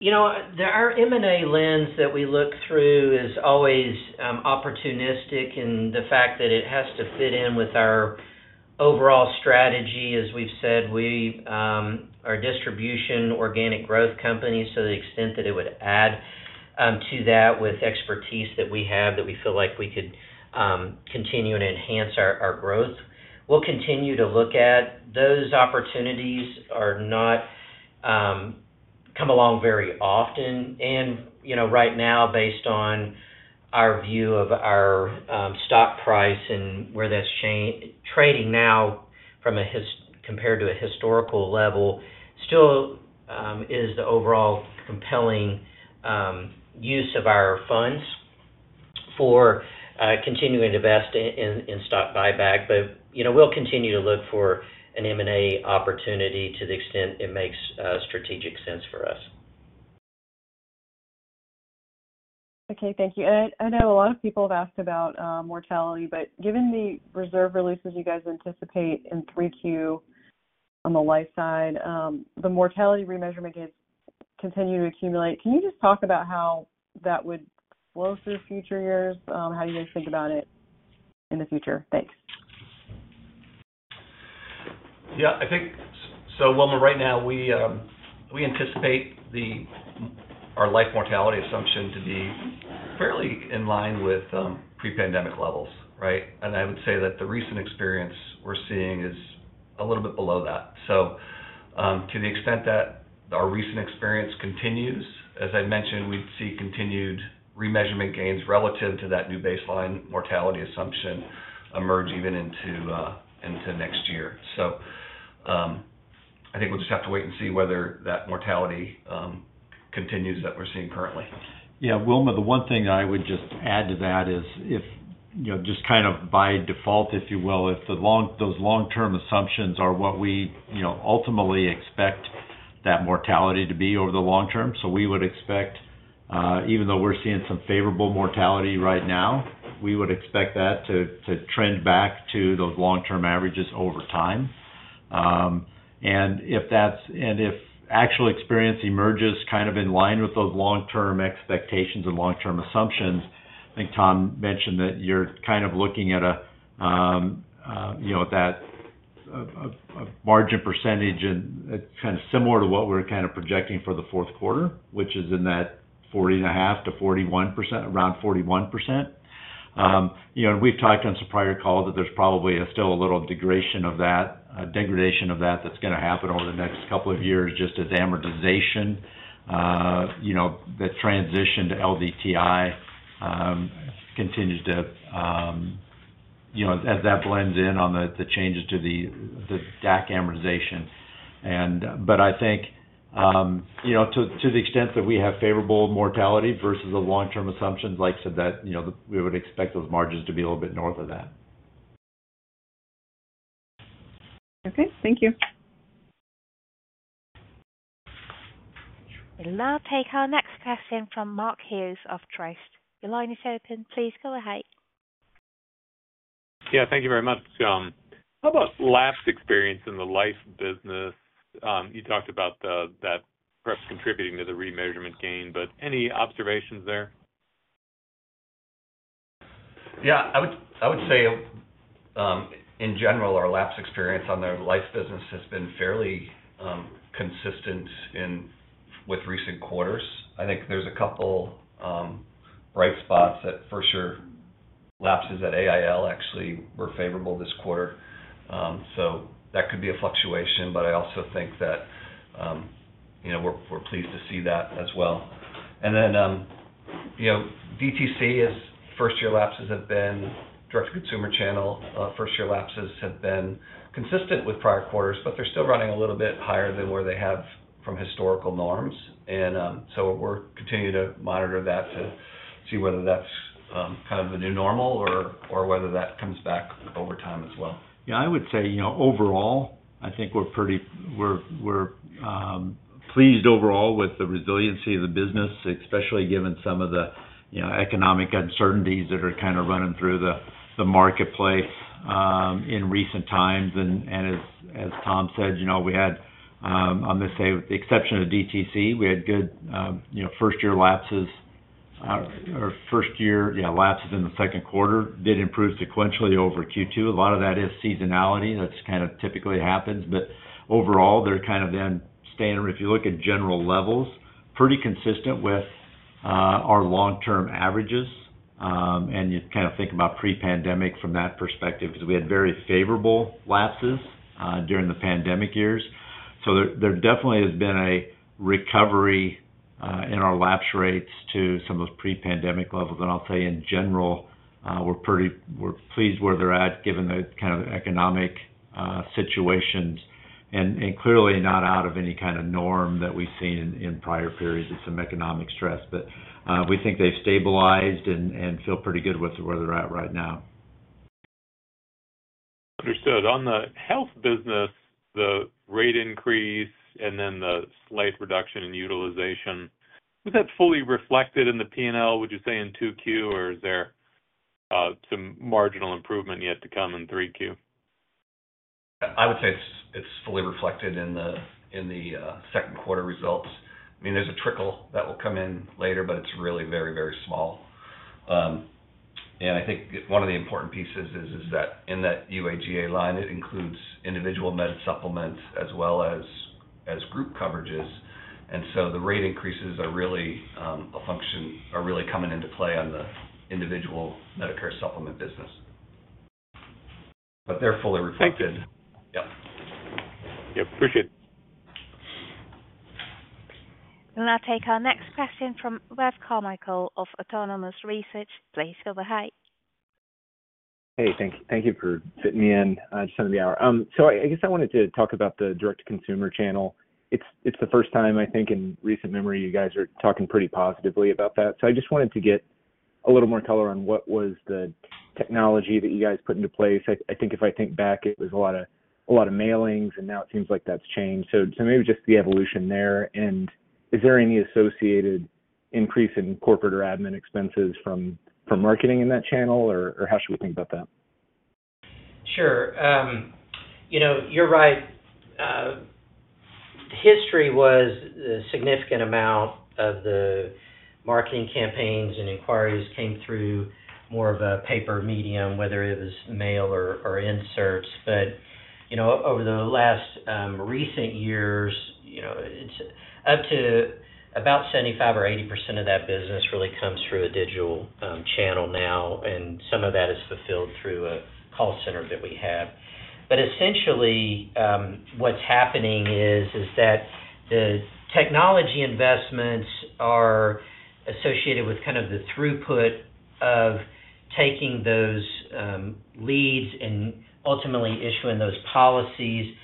The M&A lens that we look through is always opportunistic in the fact that it has to fit in with our overall strategy. As we've said, we are distribution organic growth companies, so the extent that it would add to that with expertise that we have that we feel like we could continue and enhance our growth, we'll continue to look at those opportunities. Come along very often. Right now, based on our view of our stock price and where that's trading now compared to a historical level, still is the overall compelling use of our funds for continuing to invest in stock buyback. We'll continue to look for an M&A opportunity to the extent it makes strategic sense for us. Okay. Thank you. I know a lot of people have asked about mortality, but given the reserve releases you guys anticipate in 3Q on the life side, the mortality remeasurement continues to accumulate. Can you just talk about how that would flow through future years? How do you guys think about it in the future? Thanks. Yeah. So Wilma, right now, we anticipate our life mortality assumption to be fairly in line with pre-pandemic levels, right? I would say that the recent experience we're seeing is a little bit below that. To the extent that our recent experience continues, as I mentioned, we'd see continued remeasurement gains relative to that new baseline mortality assumption emerge even into next year. I think we'll just have to wait and see whether that mortality continues that we're seeing currently. Yeah. Wilma, the one thing I would just add to that is just kind of by default, if you will, if those long-term assumptions are what we ultimately expect that mortality to be over the long term. We would expect, even though we're seeing some favorable mortality right now, we would expect that to trend back to those long-term averages over time. If actual experience emerges kind of in line with those long-term expectations and long-term assumptions, I think Tom mentioned that you're kind of looking at a margin percentage and it's kind of similar to what we're kind of projecting for the fourth quarter, which is in that 40.5%-41%, around 41%. We've talked on some prior calls that there's probably still a little degradation of that that's going to happen over the next couple of years, just as amortization, that transition to LDTI continues to, as that blends in on the changes to the DAC amortization. I think to the extent that we have favorable mortality versus the long-term assumptions, like I said, we would expect those margins to be a little bit north of that. Okay. Thank you. We'll now take our next question from Mark Hughes of Truist. The line is open. Please go ahead. Yeah. Thank you very much. How about lapse experience in the life business? You talked about that perhaps contributing to the remeasurement gain, but any observations there? Yeah. I would say in general, our lapse experience on the life business has been fairly consistent with recent quarters. I think there's a couple bright spots that for sure lapses at American Income Life actually were favorable this quarter. That could be a fluctuation, but I also think that we're pleased to see that as well. DTC's first-year lapses have been direct-to-consumer channel. First-year lapses have been consistent with prior quarters, but they're still running a little bit higher than where they have from historical norms. We're continuing to monitor that to see whether that's kind of the new normal or whether that comes back over time as well. Yeah. I would say overall, I think we're pleased overall with the resiliency of the business, especially given some of the economic uncertainties that are kind of running through the marketplace in recent times. As Tom said, we had, I'm going to say, with the exception of DTC, we had good first-year lapses, or first-year lapses in the second quarter did improve sequentially over Q2. A lot of that is seasonality. That kind of typically happens. Overall, they're kind of then staying, if you look at general levels, pretty consistent with our long-term averages. You kind of think about pre-pandemic from that perspective because we had very favorable lapses during the pandemic years. There definitely has been a recovery in our lapse rates to some of those pre-pandemic levels. I'll say, in general, we're pleased where they're at given the kind of economic situations and clearly not out of any kind of norm that we've seen in prior periods of some economic stress. We think they've stabilized and feel pretty good with where they're at right now. Understood. On the health business, the rate increase and then the slight reduction in utilization, was that fully reflected in the P&L, would you say, in 2Q, or is there some marginal improvement yet to come in 3Q? I would say it's fully reflected in the second quarter results. I mean, there's a trickle that will come in later, but it's really very, very small. I think one of the important pieces is that in that UAGA line, it includes individual med supplements as well as group coverages. The rate increases are really a function, are really coming into play on the individual Medicare Supplement business, but they're fully reflected. Thank you. Yeah. Yep. Appreciate it. We'll now take our next question from Wes Carmichael of Autonomous Research. Please go ahead. Hey. Thank you for fitting me in at the end of the hour. I guess I wanted to talk about the direct-to-consumer channel. It's the first time, I think, in recent memory, you guys are talking pretty positively about that. I just wanted to get a little more color on what was the technology that you guys put into place. I think if I think back, it was a lot of mailings, and now it seems like that's changed. Maybe just the evolution there. Is there any associated increase in corporate or admin expenses from marketing in that channel, or how should we think about that? Sure. You're right. History was the significant amount of the marketing campaigns and inquiries came through more of a paper medium, whether it was mail or inserts. Over the last recent years, up to about 75% or 80% of that business really comes through a digital channel now, and some of that is fulfilled through a call center that we have. Essentially, what's happening is that the technology investments are associated with kind of the throughput of taking those leads and ultimately issuing those policies.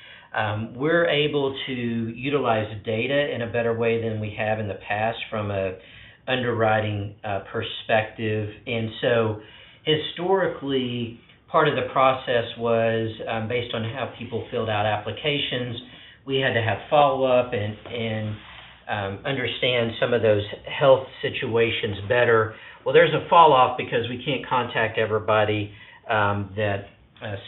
We're able to utilize data in a better way than we have in the past from an underwriting perspective. Historically, part of the process was based on how people filled out applications. We had to have follow-up and understand some of those health situations better. There's a falloff because we can't contact everybody that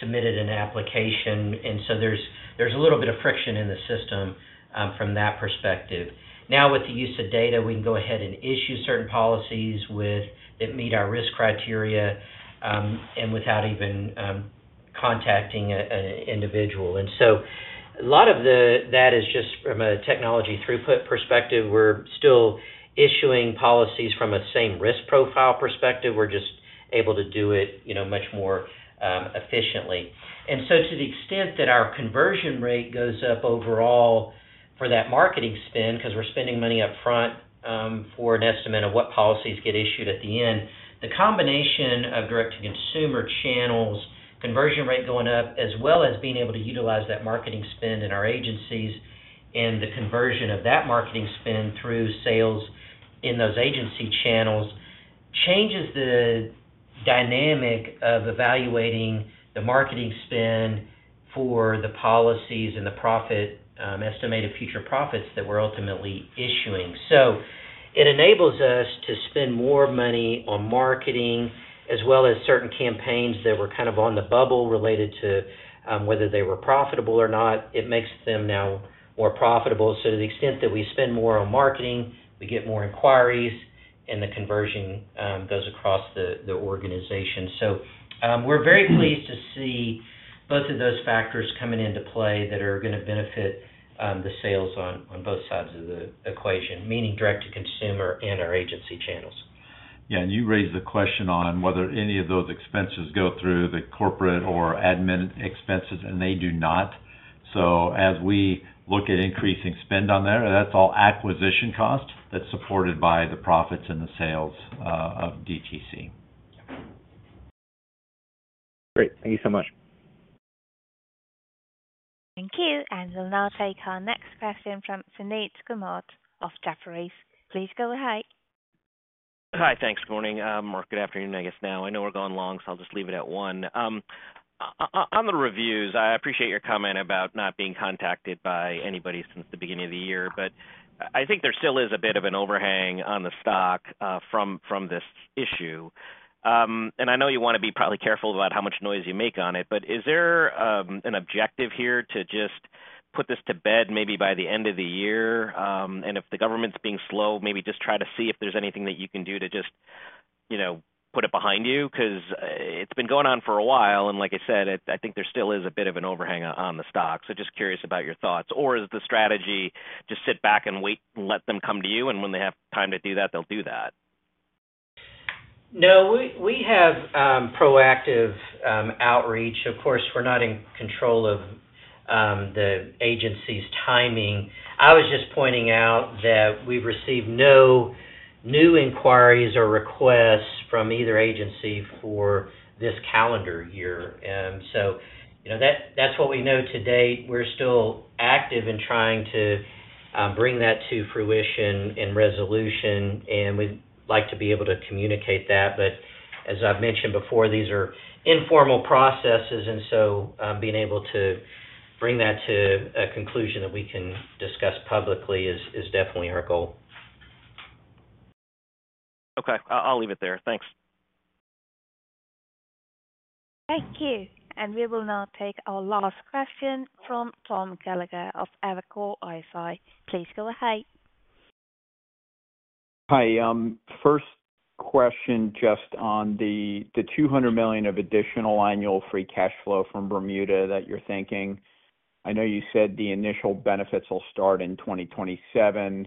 submitted an application, and so there's a little bit of friction in the system from that perspective. Now, with the use of data, we can go ahead and issue certain policies that meet our risk criteria without even contacting an individual. A lot of that is just from a technology throughput perspective. We're still issuing policies from a same risk profile perspective. We're just able to do it much more efficiently. To the extent that our conversion rate goes up overall for that marketing spend, because we're spending money upfront for an estimate of what policies get issued at the end, the combination of direct-to-consumer channels, conversion rate going up, as well as being able to utilize that marketing spend in our agencies and the conversion of that marketing spend through sales in those agency channels changes the dynamic of evaluating the marketing spend for the policies and the estimated future profits that we're ultimately issuing. It enables us to spend more money on marketing as well as certain campaigns that were kind of on the bubble related to whether they were profitable or not. It makes them now more profitable. To the extent that we spend more on marketing, we get more inquiries, and the conversion goes across the organization. We're very pleased to see both of those factors coming into play that are going to benefit the sales on both sides of the equation, meaning direct-to-consumer and our agency channels. Yeah. You raised the question on whether any of those expenses go through the corporate or admin expenses, and they do not. As we look at increasing spend on there, that's all acquisition costs that's supported by the profits and the sales of DTC. Great. Thank you so much. Thank you. We'll now take our next question from Suneet Kamath of Jefferies. Please go ahead. Hi. Thanks. Good morning. Good afternoon, I guess, now. I know we're going long, so I'll just leave it at one. On the reviews, I appreciate your comment about not being contacted by anybody since the beginning of the year, but I think there still is a bit of an overhang on the stock from this issue. I know you want to be probably careful about how much noise you make on it, but is there an objective here to just put this to bed maybe by the end of the year? If the government's being slow, maybe just try to see if there's anything that you can do to just put it behind you because it's been going on for a while. Like I said, I think there still is a bit of an overhang on the stock. Just curious about your thoughts. Or is the strategy just sit back and wait and let them come to you, and when they have time to do that, they'll do that? No, we have proactive outreach. Of course, we're not in control of the agency's timing. I was just pointing out that we've received no new inquiries or requests from either agency for this calendar year. That's what we know to date. We're still active in trying to. Bring that to fruition and resolution, and we'd like to be able to communicate that. But as I've mentioned before, these are informal processes, and so being able to bring that to a conclusion that we can discuss publicly is definitely our goal. Okay. I'll leave it there. Thanks. Thank you. And we will now take our last question from Tom Gallagher of Evercore ISI. Please go ahead. Hi. First question just on the $200 million of additional annual free cash flow from Bermuda that you're thinking. I know you said the initial benefits will start in 2027.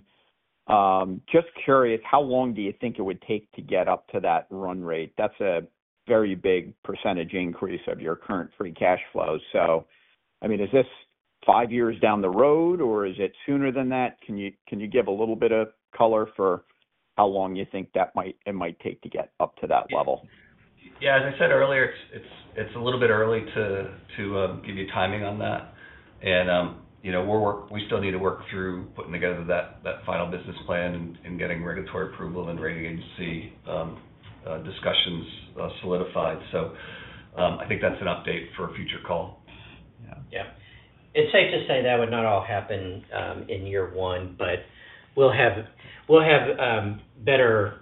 Just curious, how long do you think it would take to get up to that run rate? That's a very big percentage increase of your current free cash flow. So, I mean, is this five years down the road, or is it sooner than that? Can you give a little bit of color for how long you think that it might take to get up to that level? Yeah. As I said earlier, it's a little bit early to give you timing on that. We still need to work through putting together that final business plan and getting regulatory approval and rating agency discussions solidified. I think that's an update for a future call. Yeah. It's safe to say that would not all happen in year one, but we'll have better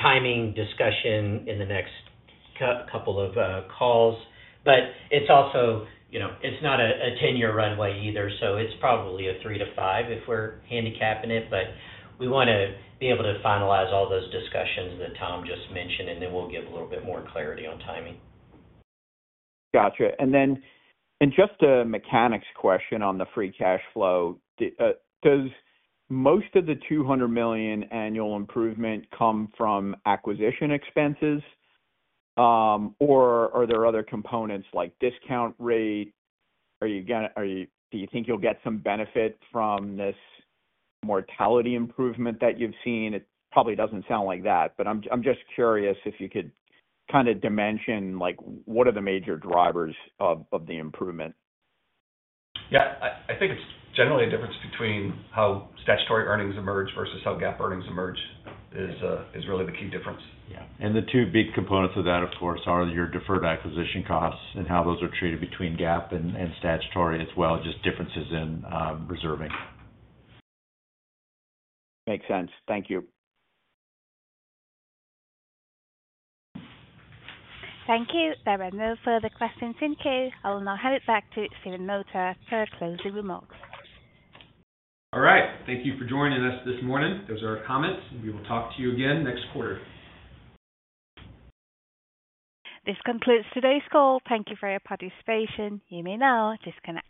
timing discussion in the next couple of calls. It's also not a 10-year runway either, so it's probably a three to five if we're handicapping it. We want to be able to finalize all those discussions that Tom just mentioned, and then we'll give a little bit more clarity on timing. Gotcha. And then just a mechanics question on the free cash flow. Does most of the $200 million annual improvement come from acquisition expenses, or are there other components like discount rate? Do you think you'll get some benefit from this mortality improvement that you've seen? It probably doesn't sound like that, but I'm just curious if you could kind of dimension what are the major drivers of the improvement. Yeah. I think it's generally a difference between how statutory earnings emerge versus how GAAP earnings emerge is really the key difference. Yeah. And the two big components of that, of course, are your deferred acquisition costs and how those are treated between GAAP and statutory as well, just differences in reserving. Makes sense. Thank you. Thank you. There are no further questions in queue. I will now hand it back to Stephen Mota for closing remarks. All right. Thank you for joining us this morning. Those are our comments. We will talk to you again next quarter. This concludes today's call. Thank you for your participation. You may now disconnect.